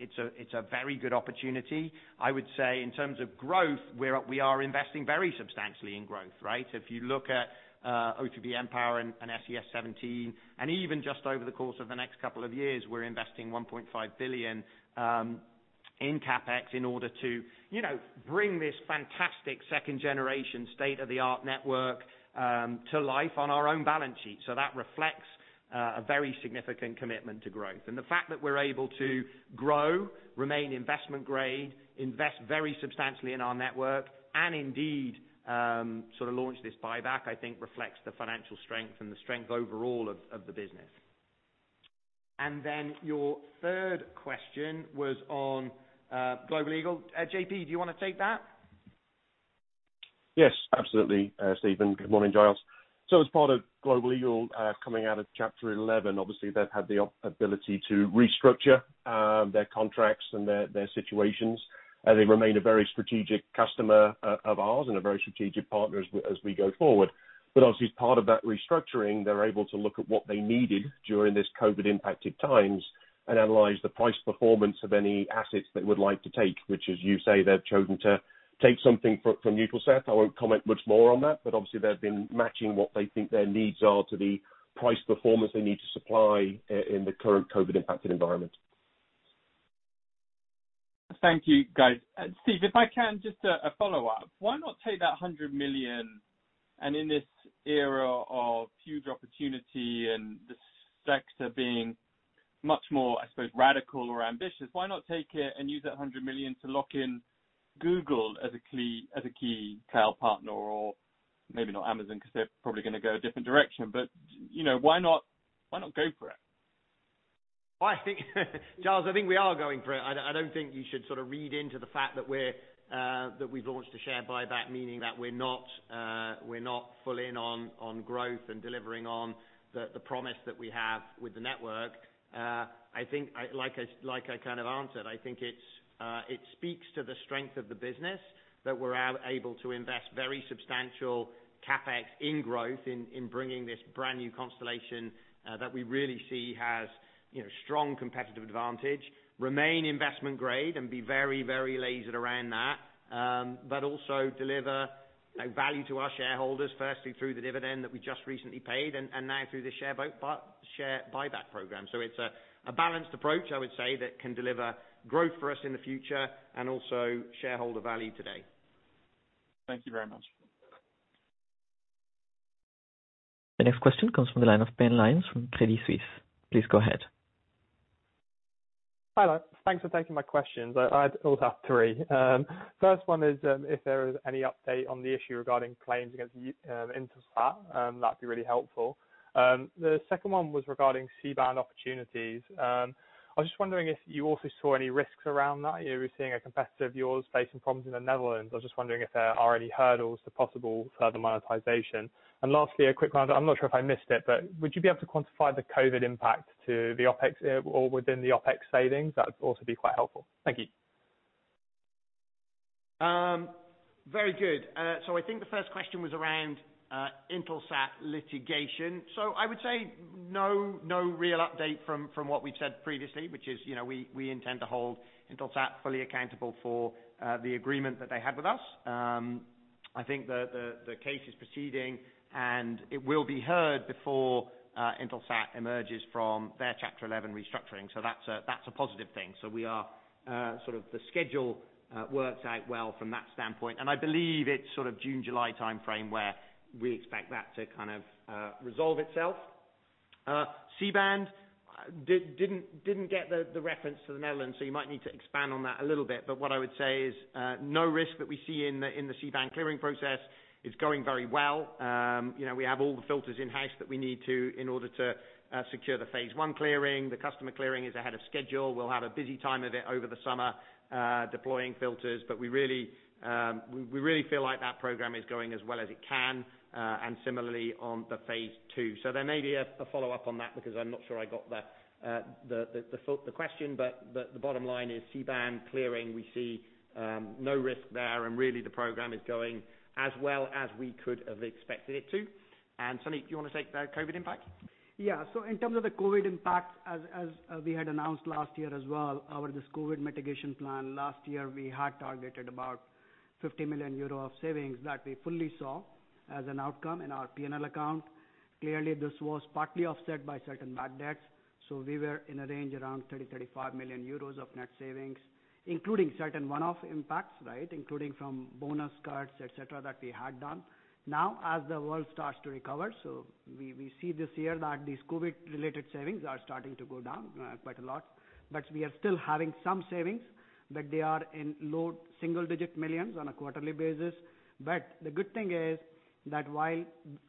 it's a very good opportunity. I would say in terms of growth, we are investing very substantially in growth, right? If you look at O3b mPOWER and SES-17, even just over the course of the next couple of years, we're investing 1.5 billion in CapEx in order to bring this fantastic second-generation state-of-the-art network to life on our own balance sheet. That reflects a very significant commitment to growth. The fact that we're able to grow, remain investment grade, invest very substantially in our network, and indeed, sort of launch this buyback, I think reflects the financial strength and the strength overall of the business. Your third question was on Global Eagle. J.P., do you want to take that? Yes, absolutely, Steve. Good morning, Giles. As part of Global Eagle coming out of Chapter 11, obviously they've had the ability to restructure their contracts and their situations. They remain a very strategic customer of ours and a very strategic partner as we go forward. Obviously, as part of that restructuring, they're able to look at what they needed during this COVID impacted times and analyze the price performance of any assets they would like to take, which, as you say, they've chosen to take something from Eutelsat. I won't comment much more on that, but obviously they've been matching what they think their needs are to the price performance they need to supply in the current COVID impacted environment. Thank you, guys. Steve, if I can, just a follow-up. Why not take that 100 million, and in this era of huge opportunity and the sector being much more, I suppose, radical or ambitious, why not take it and use that 100 million to lock in Google as a key tail partner, or maybe not Amazon because they're probably going to go a different direction. Why not go for it? Giles, I think we are going for it. I don't think you should read into the fact that we've launched a share buyback, meaning that we're not full in on growth and delivering on the promise that we have with the network. Like I kind of answered, I think it speaks to the strength of the business that we're able to invest very substantial CapEx in growth in bringing this brand new constellation that we really see has strong competitive advantage, remain investment-grade and be very de-levered around that. Also deliver value to our shareholders, firstly through the dividend that we just recently paid and now through the share buyback program. It's a balanced approach, I would say, that can deliver growth for us in the future and also shareholder value today. Thank you very much. The next question comes from the line of Ben Lyons from Credit Suisse. Please go ahead. Hello. Thanks for taking my questions. I also have three. First one is if there is any update on the issue regarding claims against Intelsat. That would be really helpful. The second one was regarding C-band opportunities. I was just wondering if you also saw any risks around that. You were seeing a competitor of yours facing problems in the Netherlands. I was just wondering if there are any hurdles to possible further monetization. Lastly, a quick one. I am not sure if I missed it, but would you be able to quantify the COVID impact to the OpEx or within the OpEx savings? That would also be quite helpful. Thank you. Very good. I think the first question was around Intelsat litigation. I would say no real update from what we've said previously, which is, we intend to hold Intelsat fully accountable for the agreement that they had with us. I think the case is proceeding, and it will be heard before Intelsat emerges from their Chapter 11 restructuring. That's a positive thing. The schedule works out well from that standpoint, and I believe it's June, July timeframe where we expect that to resolve itself. C-band. Didn't get the reference to the Netherlands, so you might need to expand on that a little bit. What I would say is, no risk that we see in the C-band clearing process. It's going very well. We have all the filters in-house that we need in order to secure the phase one clearing. The customer clearing is ahead of schedule. We'll have a busy time of it over the summer deploying filters. We really feel like that program is going as well as it can, and similarly on the phase two. There may be a follow-up on that because I'm not sure I got the question, but the bottom line is C-band clearing, we see no risk there, and really the program is going as well as we could have expected it to. Sandeep, do you want to take the COVID impact? In terms of the COVID impact, as we had announced last year as well, this COVID mitigation plan last year, we had targeted about 50 million euro of savings that we fully saw as an outcome in our P&L account. Clearly, this was partly offset by certain bad debts. We were in a range around 30 million-35 million euros of net savings, including certain one-off impacts, including from bonus cuts, et cetera, that we had done. As the world starts to recover, we see this year that these COVID-related savings are starting to go down quite a lot. We are still having some savings, but they are in low single-digit millions on a quarterly basis. The good thing is that while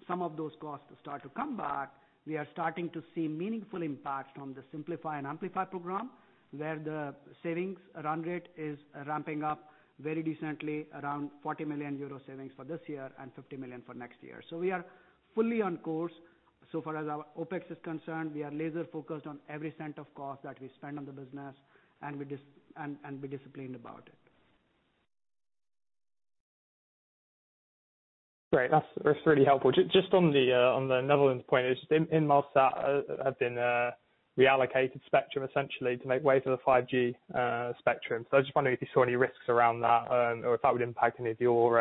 some of those costs start to come back, we are starting to see meaningful impact from the Simplify and Amplify program, where the savings run rate is ramping up very decently around 40 million euro savings for this year and 50 million for next year. We are fully on course. As far as our OpEx is concerned, we are laser-focused on every cent of cost that we spend on the business, and be disciplined about it. Great. That's really helpful. Just on the Netherlands point, Inmarsat have been reallocated spectrum, essentially, to make way for the 5G spectrum. I just wondered if you saw any risks around that or if that would impact any of your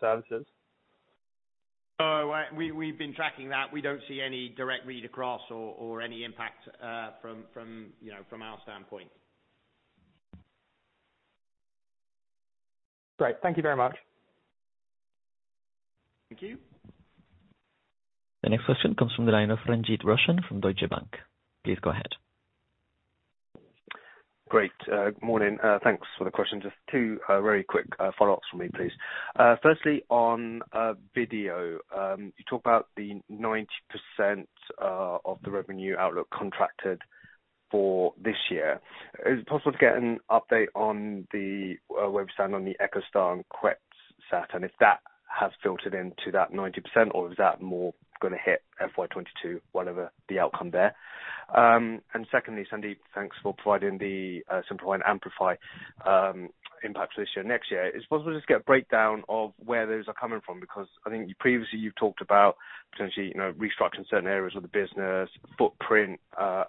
services. No. We've been tracking that. We don't see any direct read across or any impact from our standpoint. Great. Thank you very much. Thank you. The next question comes from the line of Roshan Ranjit from Deutsche Bank. Please go ahead. Great. Good morning. Thanks for the question. Just two very quick follow-ups from me, please. Firstly, on video, you talk about the 90% of the revenue outlook contracted for this year. Is it possible to get an update on the website on the EchoStar and QuetzSat, and if that has filtered into that 90%, or is that more going to hit FY 2022, whatever the outcome there? Secondly, Sandeep, thanks for providing the Simplify and Amplify impact for this year, next year. Is it possible to just get a breakdown of where those are coming from? I think previously you've talked about potentially restructuring certain areas of the business, footprint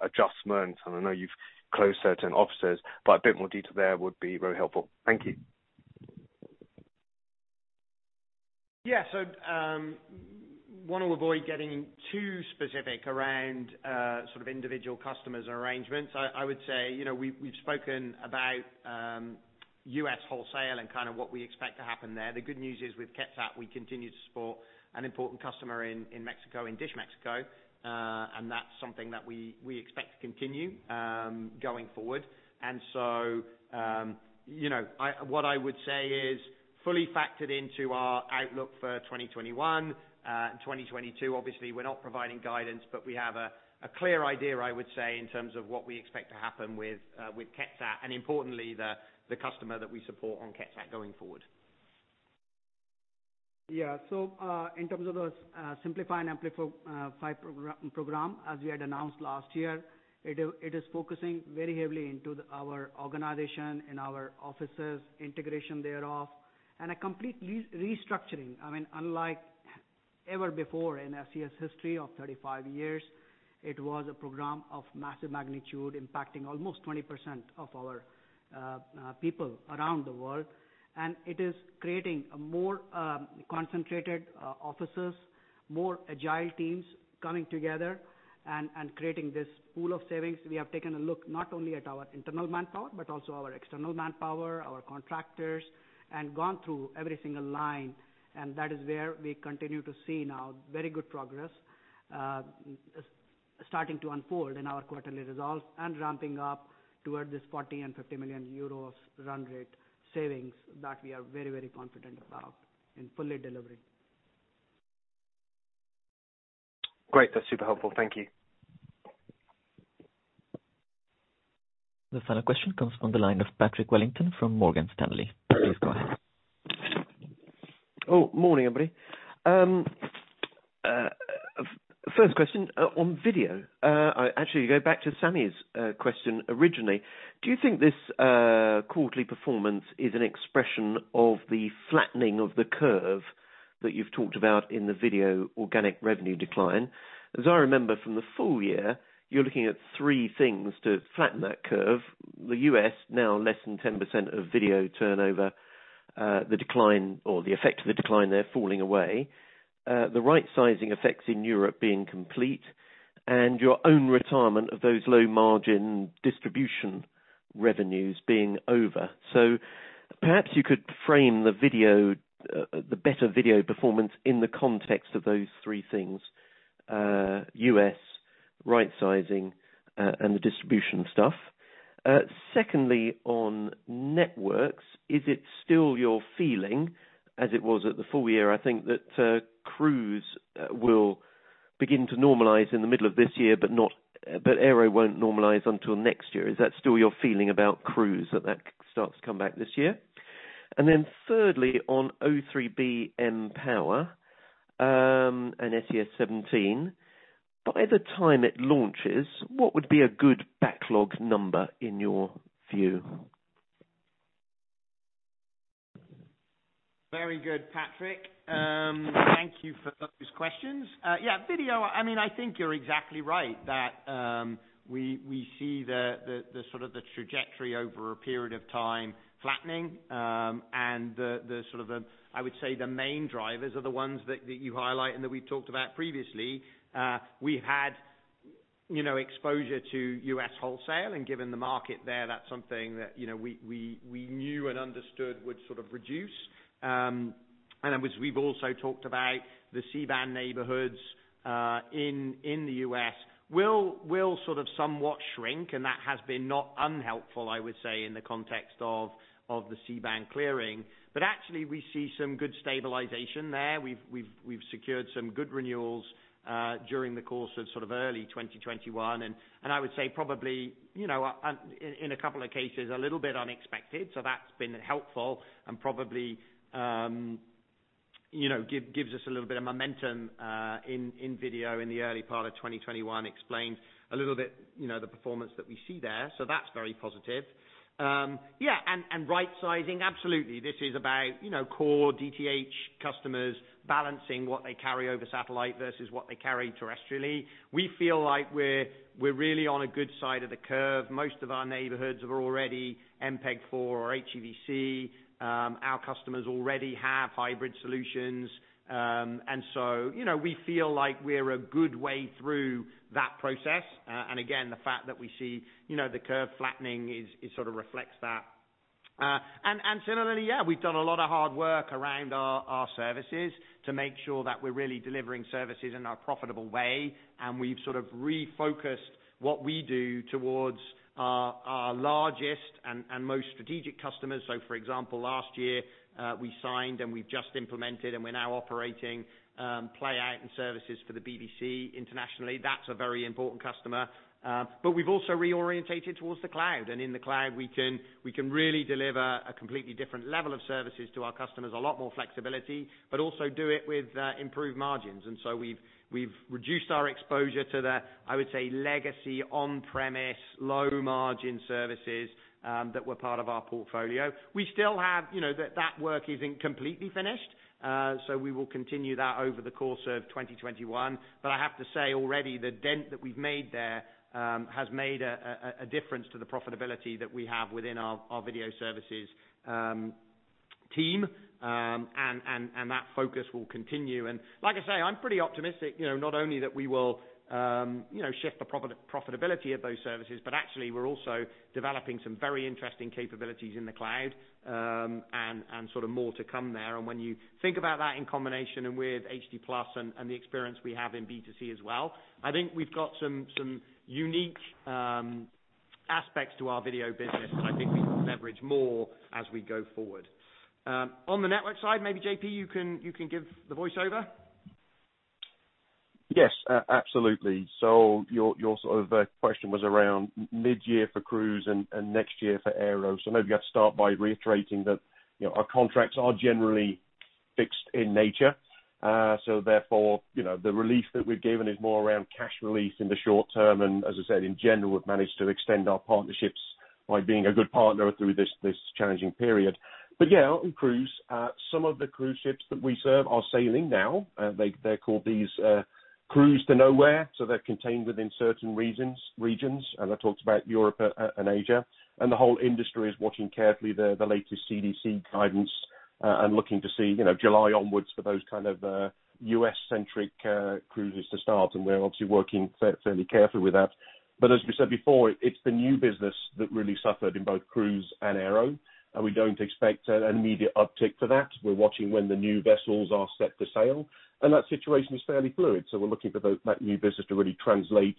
adjustments, and I know you've closed certain offices, but a bit more detail there would be very helpful. Thank you. Yeah. Want to avoid getting too specific around individual customers and arrangements. I would say, we've spoken about U.S. wholesale and what we expect to happen there. The good news is, with QuetzSat, we continue to support an important customer in Mexico, in Dish México. That's something that we expect to continue going forward. What I would say is fully factored into our outlook for 2021 and 2022. Obviously, we're not providing guidance, but we have a clear idea, I would say, in terms of what we expect to happen with QuetzSat, and importantly, the customer that we support on QuetzSat going forward. Yeah. In terms of those Simplify and Amplify program, as we had announced last year, it is focusing very heavily into our organization and our offices, integration thereof, and a complete restructuring. Unlike ever before in SES history of 35 years, it was a program of massive magnitude impacting almost 20% of our people around the world. It is creating a more concentrated offices, more agile teams coming together and creating this pool of savings. We have taken a look not only at our internal manpower, but also our external manpower, our contractors, and gone through every single line, and that is where we continue to see now very good progress starting to unfold in our quarterly results and ramping up toward this 40 million and 50 million euros run rate savings that we are very, very confident about in fully delivering. Great. That's super helpful. Thank you. The final question comes from the line of Patrick Wellington from Morgan Stanley. Please go ahead. Oh, morning, everybody. First question on video. Actually to go back to Sami's question originally. Do you think this quarterly performance is an expression of the flattening of the curve that you've talked about in the video organic revenue decline? As I remember from the full year, you're looking at three things to flatten that curve. The U.S. now less than 10% of video turnover, the decline or the effect of the decline there falling away, the right sizing effects in Europe being complete, and your own retirement of those low-margin distribution revenues being over. Perhaps you could frame the better video performance in the context of those three things, U.S. right sizing, and the distribution stuff? Secondly, on networks, is it still your feeling as it was at the full year, I think that cruise will begin to normalize in the middle of this year, but aero won't normalize until next year? Is that still your feeling about cruise, that that starts to come back this year? Thirdly, on O3b mPOWER, and SES-17, by the time it launches, what would be a good backlog number in your view? Very good, Patrick. Thank you for those questions. Yeah, video, I think you're exactly right that we see the trajectory over a period of time flattening. I would say the main drivers are the ones that you highlight and that we've talked about previously. We had exposure to U.S. wholesale, given the market there, that's something that we knew and understood would reduce. We've also talked about the C-band neighborhoods in the U.S. will somewhat shrink, that has been not unhelpful, I would say, in the context of the C-band clearing. Actually, we see some good stabilization there. We've secured some good renewals during the course of early 2021, I would say probably, in a couple of cases, a little bit unexpected. That's been helpful and probably gives us a little bit of momentum in video in the early part of 2021, explains a little bit the performance that we see there. That's very positive. Right sizing, absolutely. This is about core DTH customers balancing what they carry over satellite versus what they carry terrestrially. We feel like we're really on a good side of the curve. Most of our neighborhoods are already MPEG-4 or HEVC. Our customers already have hybrid solutions. We feel like we're a good way through that process. Again, the fact that we see the curve flattening, it sort of reflects that. Similarly, we've done a lot of hard work around our services to make sure that we're really delivering services in a profitable way. We've refocused what we do towards our largest and most strategic customers. For example, last year, we signed and we've just implemented and we're now operating play out and services for the BBC internationally. That's a very important customer. We've also reorientated towards the cloud. In the cloud, we can really deliver a completely different level of services to our customers, a lot more flexibility, but also do it with improved margins. We've reduced our exposure to the, I would say, legacy on-premise, low-margin services that were part of our portfolio. That work isn't completely finished. We will continue that over the course of 2021. I have to say, already the dent that we've made there has made a difference to the profitability that we have within our video services team, and that focus will continue. Like I say, I'm pretty optimistic, not only that we will shift the profitability of those services, but actually we are also developing some very interesting capabilities in the cloud, and more to come there. When you think about that in combination and with HD+ and the experience we have in B2C as well, I think we have got some unique aspects to our video business that I think we can leverage more as we go forward. On the network side, maybe J.P., you can give the voiceover. Yes, absolutely. Your question was around mid-year for cruise and next year for aero. Maybe I'll start by reiterating that our contracts are generally fixed in nature. Therefore, the relief that we've given is more around cash relief in the short term. As I said, in general, we've managed to extend our partnerships by being a good partner through this challenging period. Yeah, on cruise, some of the cruise ships that we serve are sailing now. They're called these cruise to nowhere, so they're contained within certain regions. That talks about Europe and Asia. The whole industry is watching carefully the latest CDC guidance, and looking to see July onwards for those U.S.-centric cruises to start. We're obviously working fairly carefully with that. As we said before, it's the new business that really suffered in both cruise and aero. We don't expect an immediate uptick for that. We're watching when the new vessels are set for sail. That situation is fairly fluid. We're looking for that new business to really translate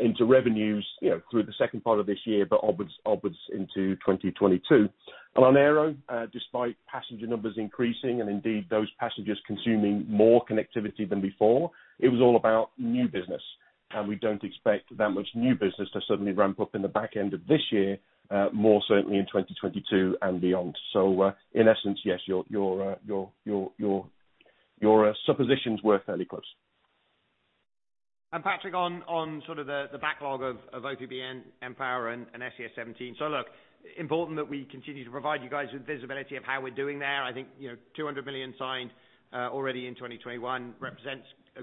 into revenues through the second part of this year, but onwards into 2022. On aero, despite passenger numbers increasing, and indeed those passengers consuming more connectivity than before, it was all about new business. We don't expect that much new business to suddenly ramp up in the back end of this year, more certainly in 2022 and beyond. In essence, yes, your suppositions were fairly close. Patrick, on the backlog of O3b mPOWER and SES-17. Look, important that we continue to provide you guys with visibility of how we're doing there. I think 200 million signed already in 2021 represents a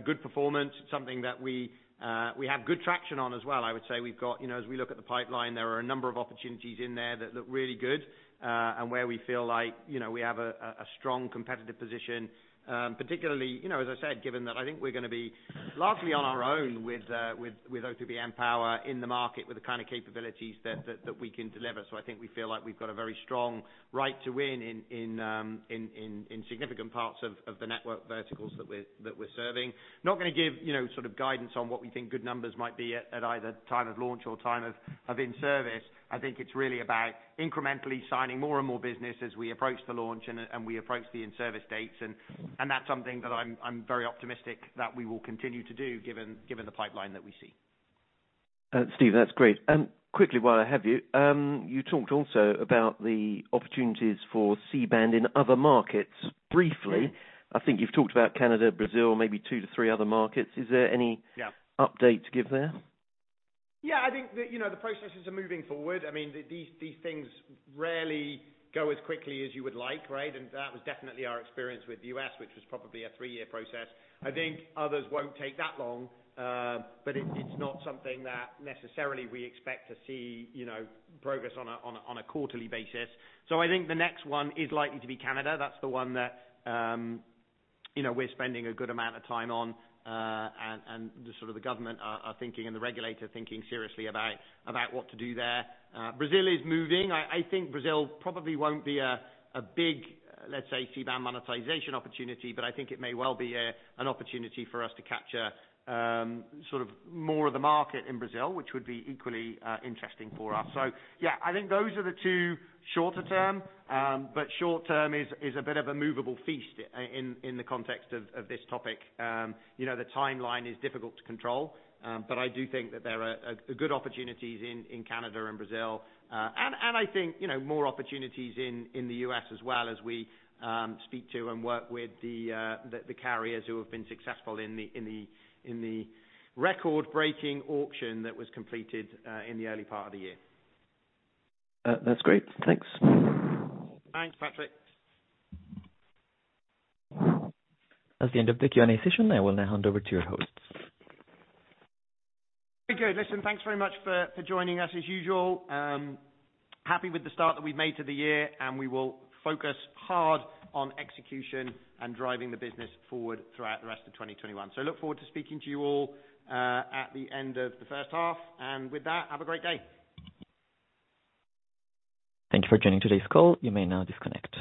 good performance. It's something that we have good traction on as well, I would say. As we look at the pipeline, there are a number of opportunities in there that look really good, and where we feel like we have a strong competitive position. Particularly, as I said, given that I think we're going to be largely on our own with O3b mPOWER in the market with the kind of capabilities that we can deliver. I think we feel like we've got a very strong right to win in significant parts of the network verticals that we're serving. Not gonna give sort of guidance on what we think good numbers might be at either time of launch or time of in-service. I think it's really about incrementally signing more and more business as we approach the launch and we approach the in-service dates. That's something that I'm very optimistic that we will continue to do given the pipeline that we see. Steve, that's great. Quickly while I have you talked also about the opportunities for C-band in other markets briefly. I think you've talked about Canada, Brazil, maybe two to three other markets. Is there? Yeah. Update to give there? I think the processes are moving forward. These things rarely go as quickly as you would like, right? That was definitely our experience with the U.S., which was probably a three-year process. I think others won't take that long. It's not something that necessarily we expect to see progress on a quarterly basis. I think the next one is likely to be Canada. That's the one that we're spending a good amount of time on. The government are thinking and the regulator thinking seriously about what to do there. Brazil is moving. I think Brazil probably won't be a big, let's say, C-band monetization opportunity, but I think it may well be an opportunity for us to capture more of the market in Brazil, which would be equally interesting for us. I think those are the two shorter term. Short-term is a bit of a movable feast in the context of this topic. The timeline is difficult to control. I do think that there are good opportunities in Canada and Brazil. I think more opportunities in the U.S. as well as we speak to and work with the carriers who have been successful in the record-breaking auction that was completed in the early part of the year. That's great. Thanks. Thanks, Patrick. That's the end of the Q&A session. I will now hand over to your hosts. Very good. Listen, thanks very much for joining us as usual. Happy with the start that we've made to the year, we will focus hard on execution and driving the business forward throughout the rest of 2021. Look forward to speaking to you all at the end of the first half. With that, have a great day. Thank you for joining today's call. You may now disconnect.